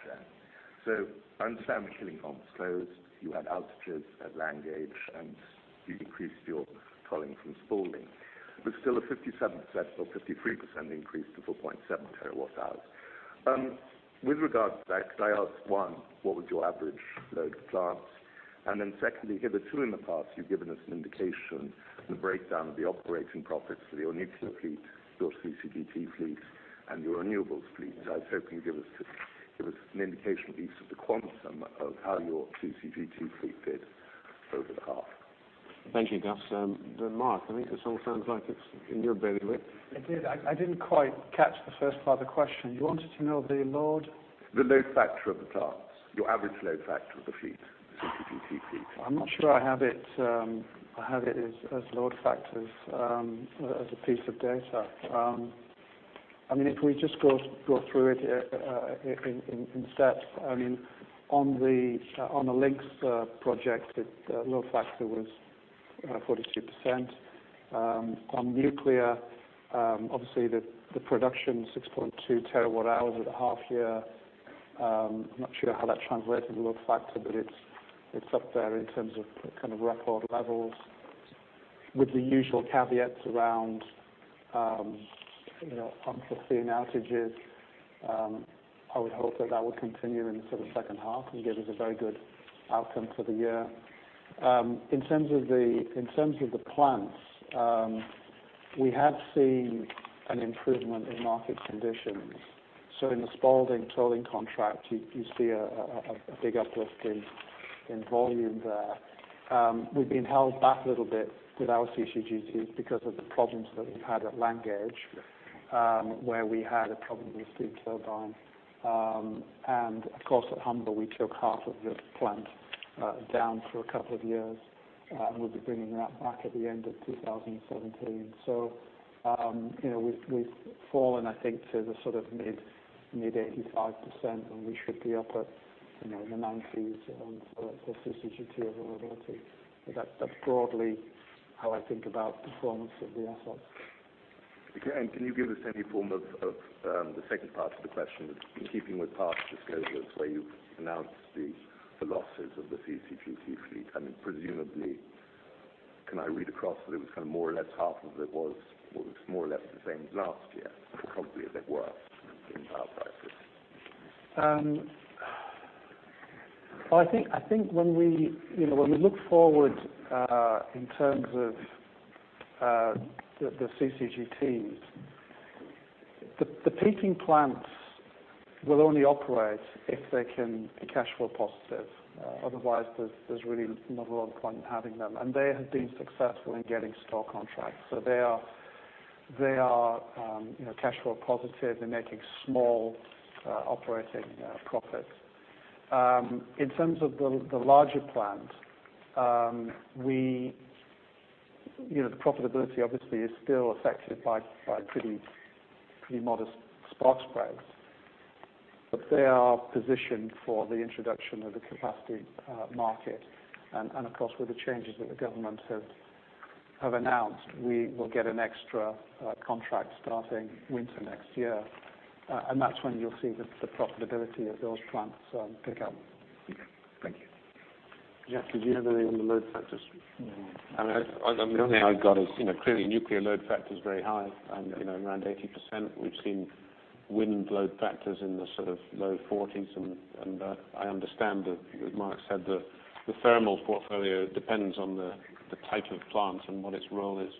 gen. I understand Killingholme is closed. You had outages at Langage, and you decreased your tolling from Spalding. There's still a 57% or 53% increase to 4.7 terawatt hours. With regard to that, could I ask, 1, what was your average load to plants? Secondly, here, the 2 in the past, you've given us an indication of the breakdown of the operating profits for the nuclear fleet, your CCGT fleet, and your renewables fleet. I was hoping you give us an indication at least of the quantum of how your CCGT fleet did over the half. Thank you, Gus. Mark, I think this all sounds like it's in your bailiwick. I did. I didn't quite catch the first part of the question. You wanted to know the load? The load factor of the plants, your average load factor of the fleet, the CCGT fleet. I'm not sure I have it as load factors as a piece of data. If we just go through it in sets. On the Lincs project, the load factor was 42%. On nuclear, obviously the production 6.2 terawatt-hours at the half year. I'm not sure how that translates into load factor, but it's up there in terms of kind of record levels with the usual caveats around unforeseen outages. I would hope that that would continue in sort of the second half and give us a very good outcome for the year. In terms of the plants, we have seen an improvement in market conditions. In the Spalding tolling contract, you see a big uplift in volume there. We've been held back a little bit with our CCGTs because of the problems that we've had at Langage where we had a problem with the steam turbine. Of course, at Humber, we took half of the plant down for a couple of years, and we'll be bringing that back at the end of 2017. We've fallen, I think, to the sort of mid-85%, and we should be up at in the 90s on sort of CCGT availability. That's broadly how I think about performance of the assets. Can you give us any form of the second part of the question in keeping with past disclosures where you've announced the losses of the CCGT fleet? Presumably, can I read across that it was kind of more or less half of it was more or less the same as last year, probably a bit worse given power prices? I think when we look forward in terms of the CCGTs, the peaking plants will only operate if they can be cash flow positive. Otherwise, there's really not a lot of point in having them. They have been successful in getting STOR contracts. They are cash flow positive. They're making small operating profits. In terms of the larger plant, the profitability obviously is still affected by pretty modest spark spreads, but they are positioned for the introduction of the capacity market. Of course, with the changes that the Government have announced, we will get an extra contract starting winter next year. That's when you'll see the profitability of those plants pick up. Okay. Thank you. Jeff, did you have any on the load factors? No. The only thing I've got is clearly nuclear load factor is very high and around 80%. We've seen wind load factors in the sort of low 40s, and I understand that Mark said the thermal portfolio depends on the type of plant and what its role is.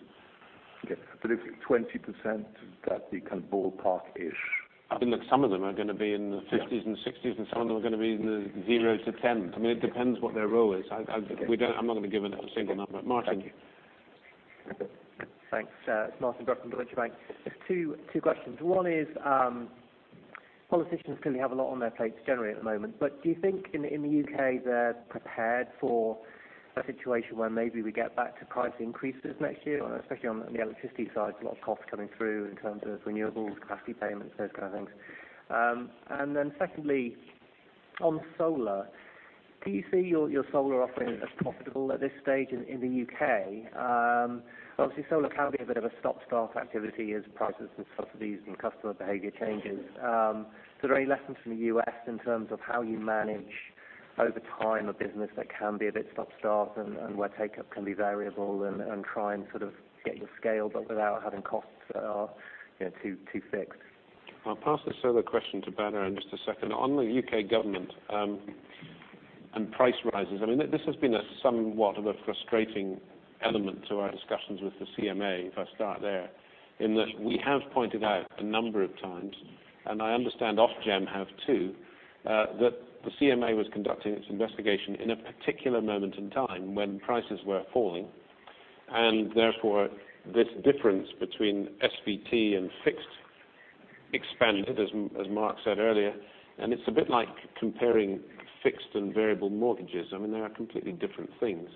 Okay. Is 20% that the kind of ballpark-ish? I think that some of them are going to be in the 50s and 60s, and some of them are going to be in the zero to 10. It depends what their role is. Okay. I'm not going to give a single number. Okay. Martin. Thank you. Thanks. It's Martin Brock from Deutsche Bank. Just two questions. One is, politicians clearly have a lot on their plates generally at the moment, do you think in the U.K. they're prepared for a situation where maybe we get back to price increases next year? Especially on the electricity side, there's a lot of cost coming through in terms of renewables, capacity payments, those kind of things. Secondly, on solar, do you see your solar offering as profitable at this stage in the U.K.? Obviously, solar can be a bit of a stop-start activity as prices and subsidies and customer behavior changes. Are there any lessons from the U.S. in terms of how you manage over time a business that can be a bit stop-start and where take-up can be variable and try and sort of get your scale, but without having costs that are too fixed? I'll pass the solar question to Badar in just a second. On the U.K. government and price rises, this has been somewhat of a frustrating element to our discussions with the CMA, if I start there, in that we have pointed out a number of times, and I understand Ofgem have too, that the CMA was conducting its investigation in a particular moment in time when prices were falling, and therefore this difference between SVT and fixed expanded, as Mark said earlier, and it's a bit like comparing fixed and variable mortgages. There are completely different things.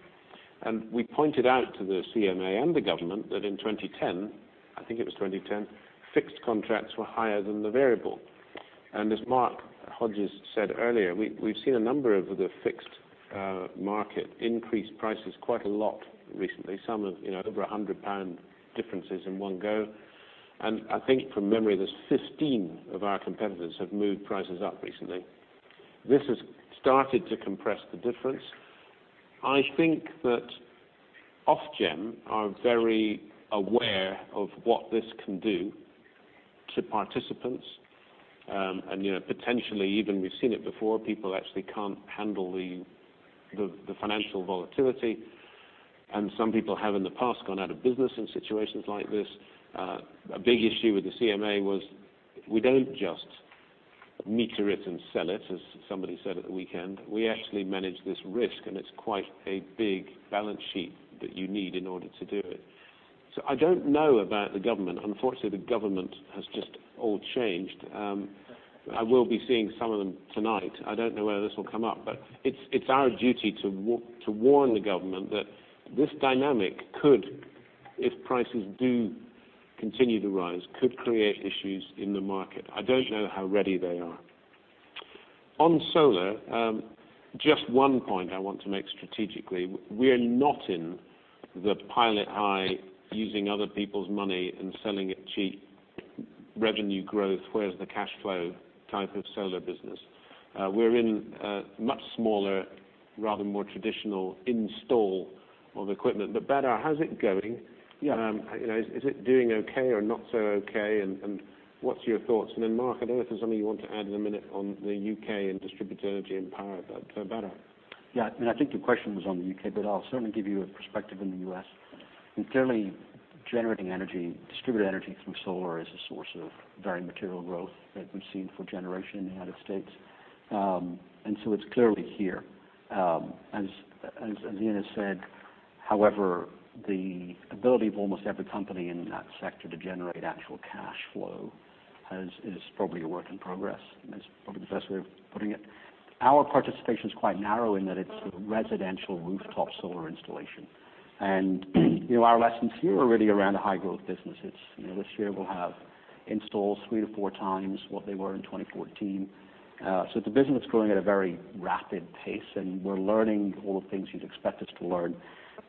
We pointed out to the CMA and the government that in 2010, I think it was 2010, fixed contracts were higher than the variable. As Mark Hodges said earlier, we've seen a number of the fixed market increase prices quite a lot recently, some of over 100 pound differences in one go. I think from memory, there are 15 of our competitors have moved prices up recently. This has started to compress the difference. I think that Ofgem are very aware of what this can do to participants, and potentially even we've seen it before, people actually cannot handle the financial volatility, and some people have in the past gone out of business in situations like this. A big issue with the CMA was we do not just meter it and sell it, as somebody said at the weekend. We actually manage this risk, and it is quite a big balance sheet that you need in order to do it. I do not know about the government. Unfortunately, the government has just all changed. I will be seeing some of them tonight. I do not know whether this will come up, but it is our duty to warn the government that this dynamic could, if prices do continue to rise, could create issues in the market. I do not know how ready they are. On solar, just one point I want to make strategically. We are not in the pile it high, using other people's money and selling it cheap, revenue growth, where is the cash flow type of solar business. We are in a much smaller, rather more traditional install of equipment. Badar, how is it going? Yeah. Is it doing okay or not so okay, and what are your thoughts? Then Mark, I do not know if there is something you want to add in a minute on the U.K. and distributed energy and power. Badar. Yeah. I think your question was on the U.K., but I will certainly give you a perspective in the U.S., and clearly generating energy, distributed energy from solar is a source of very material growth that we have seen for generation in the United States. It is clearly here. As Iain has said, however, the ability of almost every company in that sector to generate actual cash flow is probably a work in progress, is probably the best way of putting it. Our participation is quite narrow in that it is residential rooftop solar installation. Our lessons here are really around a high growth business. This year we will have installs three to four times what they were in 2014. The business is growing at a very rapid pace, and we are learning all the things you would expect us to learn.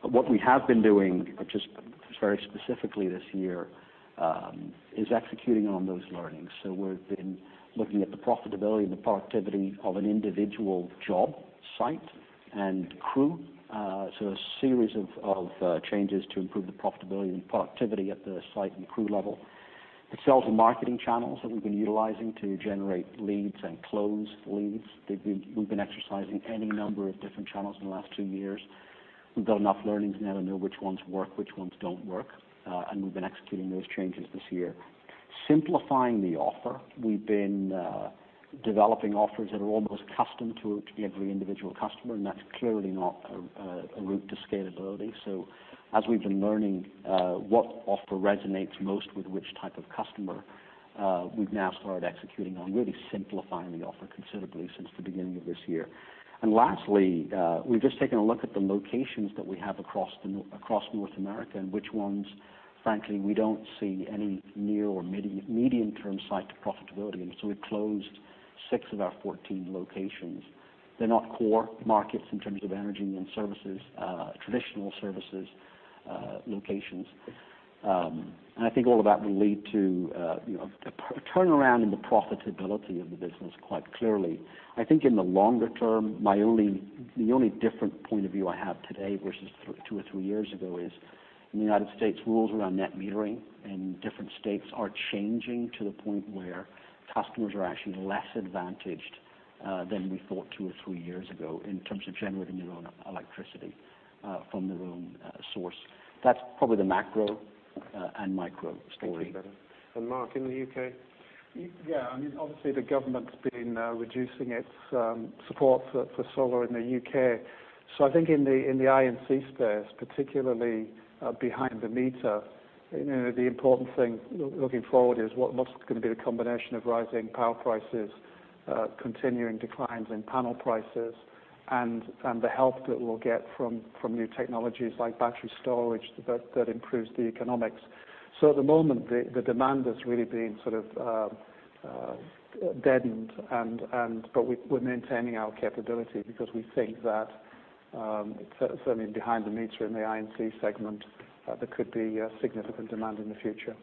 What we have been doing just very specifically this year, is executing on those learnings. We've been looking at the profitability and the productivity of an individual job site and crew. A series of changes to improve the profitability and productivity at the site and crew level. The sales and marketing channels that we've been utilizing to generate leads and close leads, we've been exercising any number of different channels in the last two years. We've got enough learnings now to know which ones work, which ones don't work, and we've been executing those changes this year. Simplifying the offer. We've been developing offers that are almost custom to every individual customer, and that's clearly not a route to scalability. As we've been learning what offer resonates most with which type of customer, we've now started executing on really simplifying the offer considerably since the beginning of this year. Lastly, we've just taken a look at the locations that we have across North America and which ones, frankly, we don't see any near or medium term sight to profitability. We closed six of our 14 locations. They're not core markets in terms of energy and services, traditional services locations. I think all of that will lead to a turnaround in the profitability of the business quite clearly. I think in the longer term, the only different point of view I have today versus two or three years ago is, in the U.S., rules around net metering in different states are changing to the point where customers are actually less advantaged than we thought two or three years ago in terms of generating their own electricity from their own source. That's probably the macro and micro story. Thank you, Badar. Mark, in the U.K.? Obviously, the government's been reducing its support for solar in the U.K. I think in the I&C space, particularly behind the meter, the important thing looking forward is what's going to be the combination of rising power prices, continuing declines in panel prices, and the help that we'll get from new technologies like battery storage that improves the economics. At the moment, the demand has really been sort of deadened, but we're maintaining our capability because we think that certainly behind the meter in the I&C segment, there could be significant demand in the future.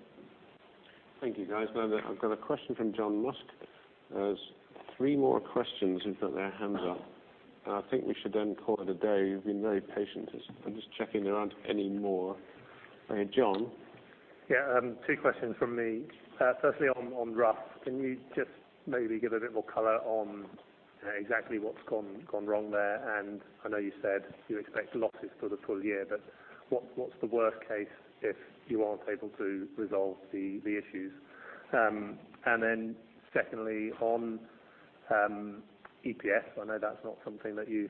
Thank you, guys. I've got a question from John Musk. There's three more questions, who've put their hands up, and I think we should then call it a day. You've been very patient. I'm just checking there aren't any more. John? Two questions from me. Firstly, on Rough, can you just maybe give a bit more color on exactly what's gone wrong there? I know you said you expect losses for the full year, but what's the worst case if you aren't able to resolve the issues? Secondly, on EPS, I know that's not something that you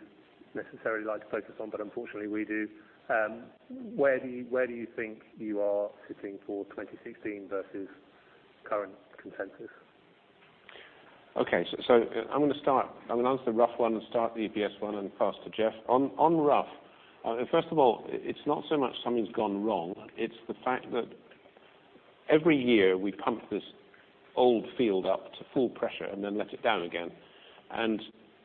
necessarily like to focus on, but unfortunately we do. Where do you think you are sitting for 2016 versus current consensus? I'm going to answer the Rough one and start the EPS one, and pass to Jeff. On Rough, first of all, it's not so much something's gone wrong. It's the fact that every year we pump this old field up to full pressure and then let it down again.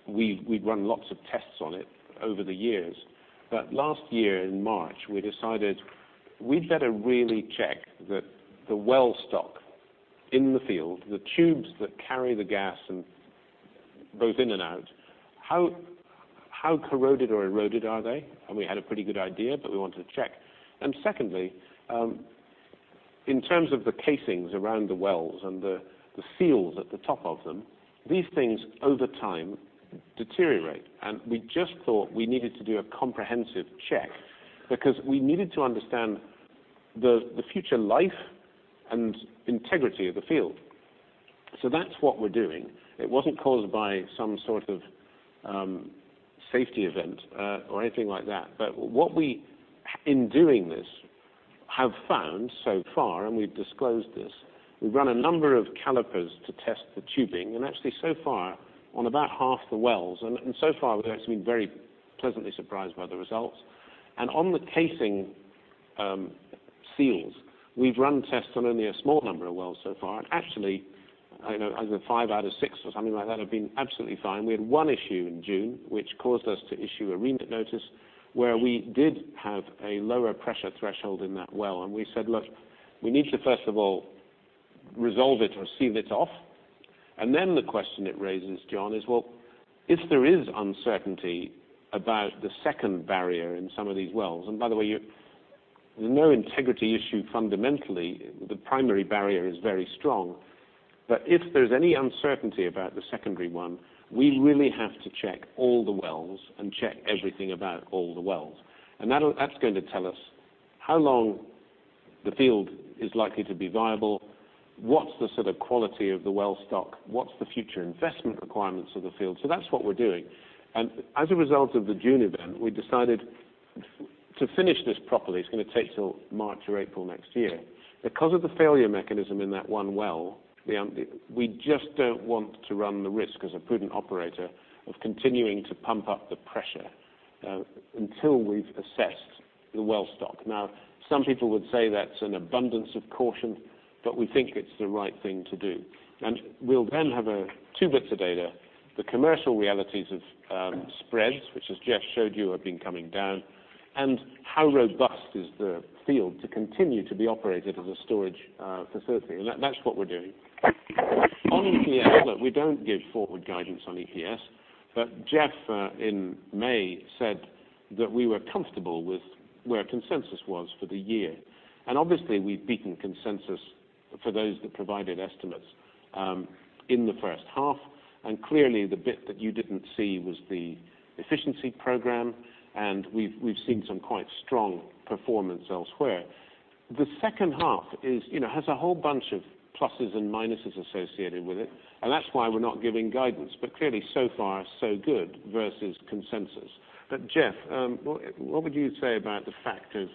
We'd run lots of tests on it over the years. Last year in March, we decided we'd better really check that the well stock in the field, the tubes that carry the gas both in and out, how corroded or eroded are they? Secondly, in terms of the casings around the wells and the seals at the top of them, these things, over time, deteriorate. We just thought we needed to do a comprehensive check because we needed to understand the future life and integrity of the field. That's what we're doing. It wasn't caused by some sort of safety event or anything like that. What we, in doing this, have found so far, and we've disclosed this, we've run a number of calipers to test the tubing, actually so far on about half the wells, and so far we've actually been very pleasantly surprised by the results. On the casing seals, we've run tests on only a small number of wells so far. Actually, either five out of six or something like that have been absolutely fine. We had one issue in June, which caused us to issue a REMIT notice where we did have a lower pressure threshold in that well. We said, look, we need to first of all resolve it or seal it off. The question it raises, John, is, well, if there is uncertainty about the second barrier in some of these wells, by the way, there's no integrity issue fundamentally. The primary barrier is very strong. If there's any uncertainty about the secondary one, we really have to check all the wells and check everything about all the wells. That's going to tell us how long the field is likely to be viable, what's the sort of quality of the well stock, what's the future investment requirements of the field. That's what we're doing. As a result of the June event, we decided to finish this properly. It's going to take till March or April next year. Because of the failure mechanism in that one well, we just don't want to run the risk as a prudent operator of continuing to pump up the pressure until we've assessed the well stock. Some people would say that's an abundance of caution, but we think it's the right thing to do. We'll then have two bits of data, the commercial realities of spreads, which as Jeff showed you, have been coming down, and how robust is the field to continue to be operated as a storage facility. That's what we're doing. On EPS, look, we don't give forward guidance on EPS. Jeff, in May said that we were comfortable with where consensus was for the year. Obviously, we've beaten consensus for those that provided estimates in the first half. Clearly the bit that you didn't see was the efficiency program. We've seen some quite strong performance elsewhere. The second half has a whole bunch of pluses and minuses associated with it. That's why we're not giving guidance. Clearly, so far, so good versus consensus. Jeff, what would you say about the factors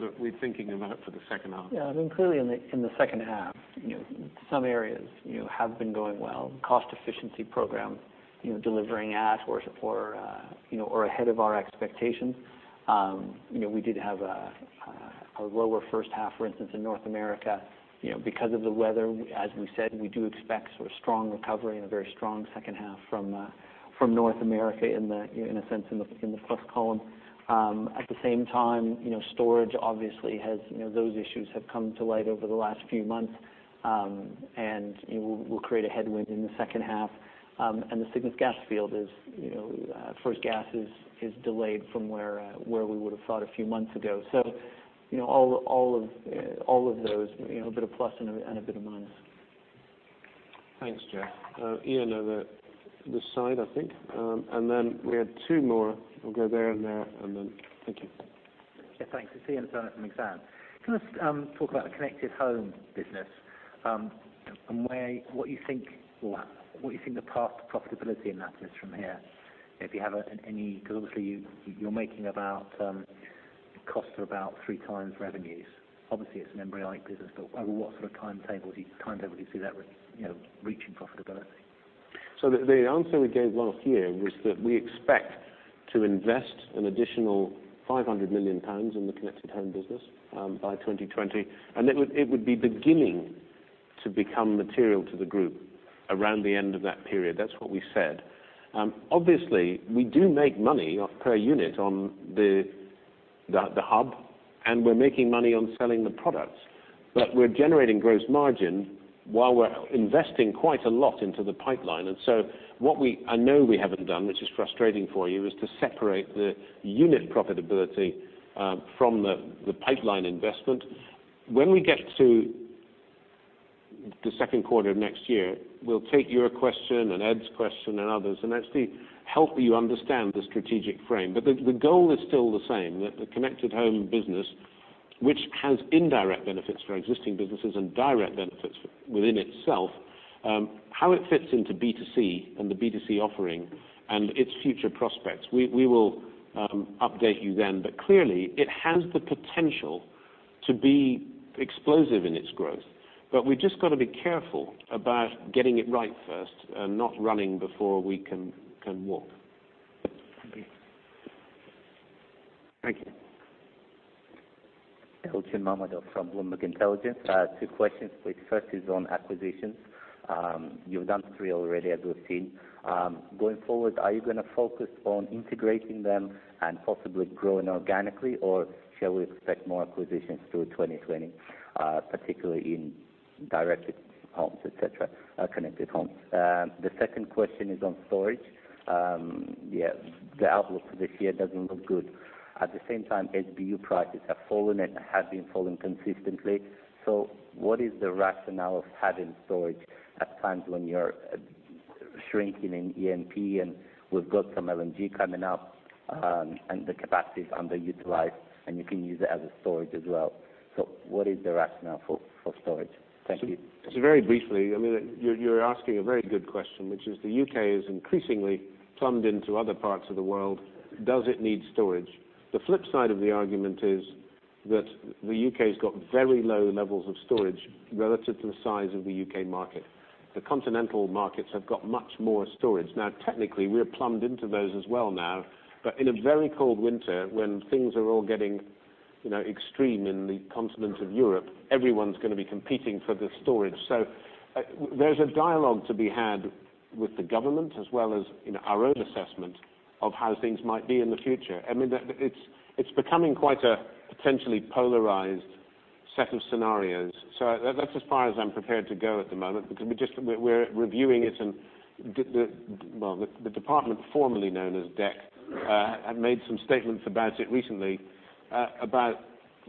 that we're thinking about for the second half? Yeah, I mean, clearly in the second half, some areas have been going well. Cost efficiency program delivering at or ahead of our expectations. We did have a lower first half, for instance, in North America, because of the weather. As we said, we do expect strong recovery and a very strong second half from North America in a sense in the first column. At the same time, storage obviously those issues have come to light over the last few months, and will create a headwind in the second half. The Cygnus gas field is, first gas is delayed from where we would've thought a few months ago. All of those, a bit of plus and a bit of minus. Thanks, Jeff. Iain, over this side, I think, then we had two more. We'll go there and there then, thank you. Yeah, thanks. It's Iain Turner from Exane. Can I talk about the Connected Home business, what you think the path to profitability in that is from here? If you have any because obviously you're making about, costs are about three times revenues. Obviously, it's an embryonic business, but over what sort of timetable do you see that reaching profitability? The answer we gave last year was that we expect to invest an additional 500 million pounds in the Connected Home business by 2020. It would be beginning to become material to the group around the end of that period. That's what we said. Obviously, we do make money off per unit on the hub, we're making money on selling the products. We're generating gross margin while we're investing quite a lot into the pipeline. What I know we haven't done, which is frustrating for you, is to separate the unit profitability from the pipeline investment. When we get to the second quarter of next year, we'll take your question, Ed's question and others, actually help you understand the strategic frame. The goal is still the same, that the Connected Home business, which has indirect benefits for our existing businesses and direct benefits within itself, how it fits into B2C and the B2C offering and its future prospects. We will update you then. Clearly it has the potential to be explosive in its growth. We've just got to be careful about getting it right first and not running before we can walk. Thank you. Thank you. Elchin Mammadov from Bloomberg Intelligence. Two questions please. First is on acquisitions. You've done three already, as we've seen. Going forward, are you going to focus on integrating them and possibly growing organically, or shall we expect more acquisitions through 2020, particularly in Connected Homes? The second question is on storage. The outlook for this year doesn't look good. At the same time, NBP prices have fallen and have been falling consistently. What is the rationale of having storage at times when you're shrinking in E&P, and we've got some LNG coming up, and the capacity is underutilized, and you can use it as a storage as well? What is the rationale for storage? Thank you. Very briefly, you're asking a very good question, which is the U.K. is increasingly plumbed into other parts of the world. Does it need storage? The flip side of the argument is that the U.K.'s got very low levels of storage relative to the size of the U.K. market. The continental markets have got much more storage. Now, technically, we are plumbed into those as well now, but in a very cold winter, when things are all getting extreme in the continent of Europe, everyone's going to be competing for the storage. There's a dialogue to be had with the government, as well as our own assessment of how things might be in the future. It's becoming quite a potentially polarized set of scenarios. That's as far as I'm prepared to go at the moment because we're reviewing it, and the department formerly known as DECC have made some statements about it recently, about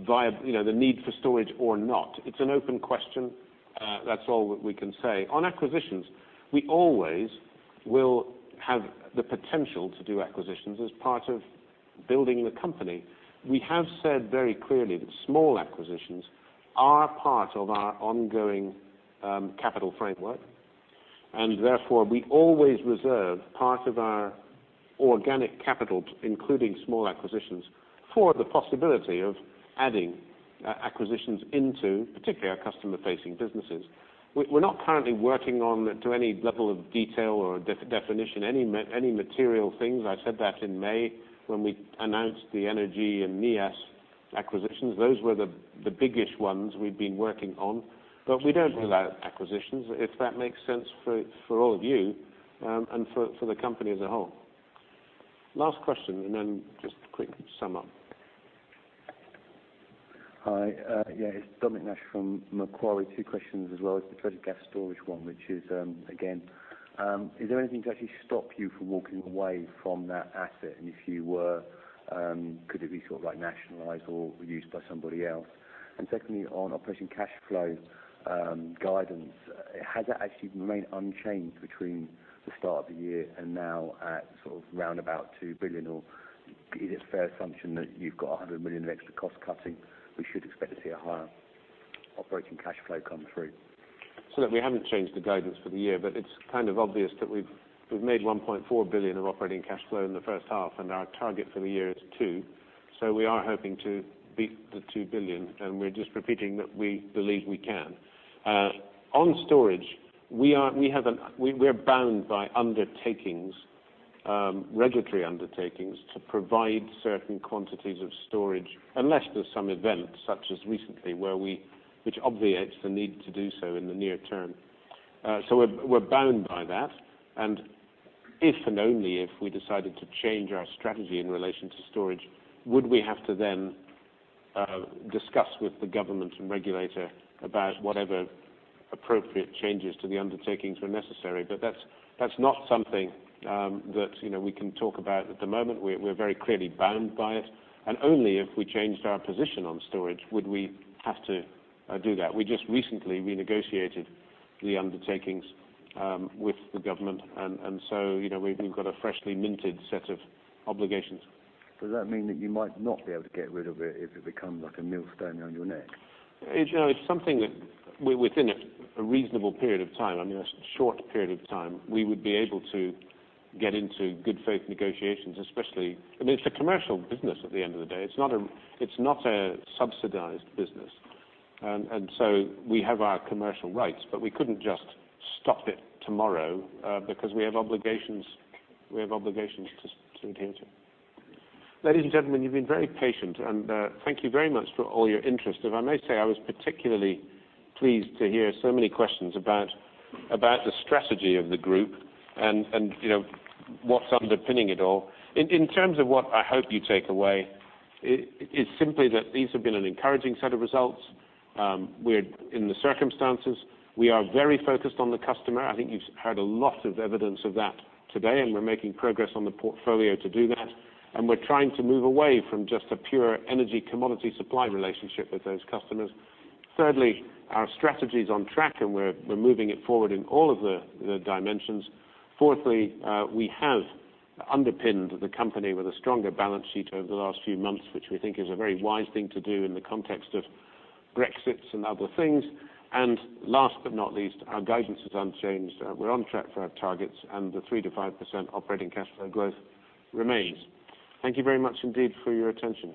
the need for storage or not. It's an open question. That's all that we can say. On acquisitions, we always will have the potential to do acquisitions as part of building the company. We have said very clearly that small acquisitions are part of our ongoing capital framework, and therefore we always reserve part of our organic capital, including small acquisitions, for the possibility of adding acquisitions into particularly our customer-facing businesses. We're not currently working on to any level of detail or definition, any material things. I said that in May when we announced the ENER-G Cogen and Neas Energy acquisitions. Those were the biggest ones we'd been working on. We don't rule out acquisitions, if that makes sense for all of you and for the company as a whole. Last question, and then just a quick sum up Hi. Yeah, it's Dominic Nash from Macquarie. Two questions as well. The first gas storage one, which is, again, is there anything to actually stop you from walking away from that asset? If you were, could it be nationalized or used by somebody else? Secondly, on operating cash flow guidance, has that actually remained unchanged between the start of the year and now at roundabout 2 billion, or is it a fair assumption that you've got 100 million of extra cost-cutting? We should expect to see a higher operating cash flow come through. Look, we haven't changed the guidance for the year, but it's obvious that we've made 1.4 billion of operating cash flow in the first half, and our target for the year is 2 billion. We are hoping to beat the 2 billion, and we're just repeating that we believe we can. On storage, we're bound by undertakings, regulatory undertakings, to provide certain quantities of storage unless there's some event, such as recently, which obviates the need to do so in the near term. We are bound by that, and if, and only if, we decided to change our strategy in relation to storage, would we have to then discuss with the government and regulator about whatever appropriate changes to the undertakings were necessary. That's not something that we can talk about at the moment. We're very clearly bound by it, only if we changed our position on storage would we have to do that. We just recently renegotiated the undertakings with the government, we've got a freshly minted set of obligations. Does that mean that you might not be able to get rid of it if it becomes like a millstone around your neck? It's something that within a reasonable period of time, a short period of time, we would be able to get into good faith negotiations especially. I mean, it's a commercial business at the end of the day. It's not a subsidized business. We have our commercial rights. We couldn't just stop it tomorrow, because we have obligations to adhere to. Ladies and gentlemen, you've been very patient, and thank you very much for all your interest. If I may say, I was particularly pleased to hear so many questions about the strategy of the group and what's underpinning it all. In terms of what I hope you take away, it's simply that these have been an encouraging set of results. In the circumstances, we are very focused on the customer. I think you've heard a lot of evidence of that today, and we're making progress on the portfolio to do that, and we're trying to move away from just a pure energy commodity supply relationship with those customers. Thirdly, our strategy's on track, and we're moving it forward in all of the dimensions. Fourthly, we have underpinned the company with a stronger balance sheet over the last few months, which we think is a very wise thing to do in the context of Brexit and other things. Last but not least, our guidance is unchanged. We're on track for our targets, and the 3%-5% operating cash flow growth remains. Thank you very much indeed for your attention.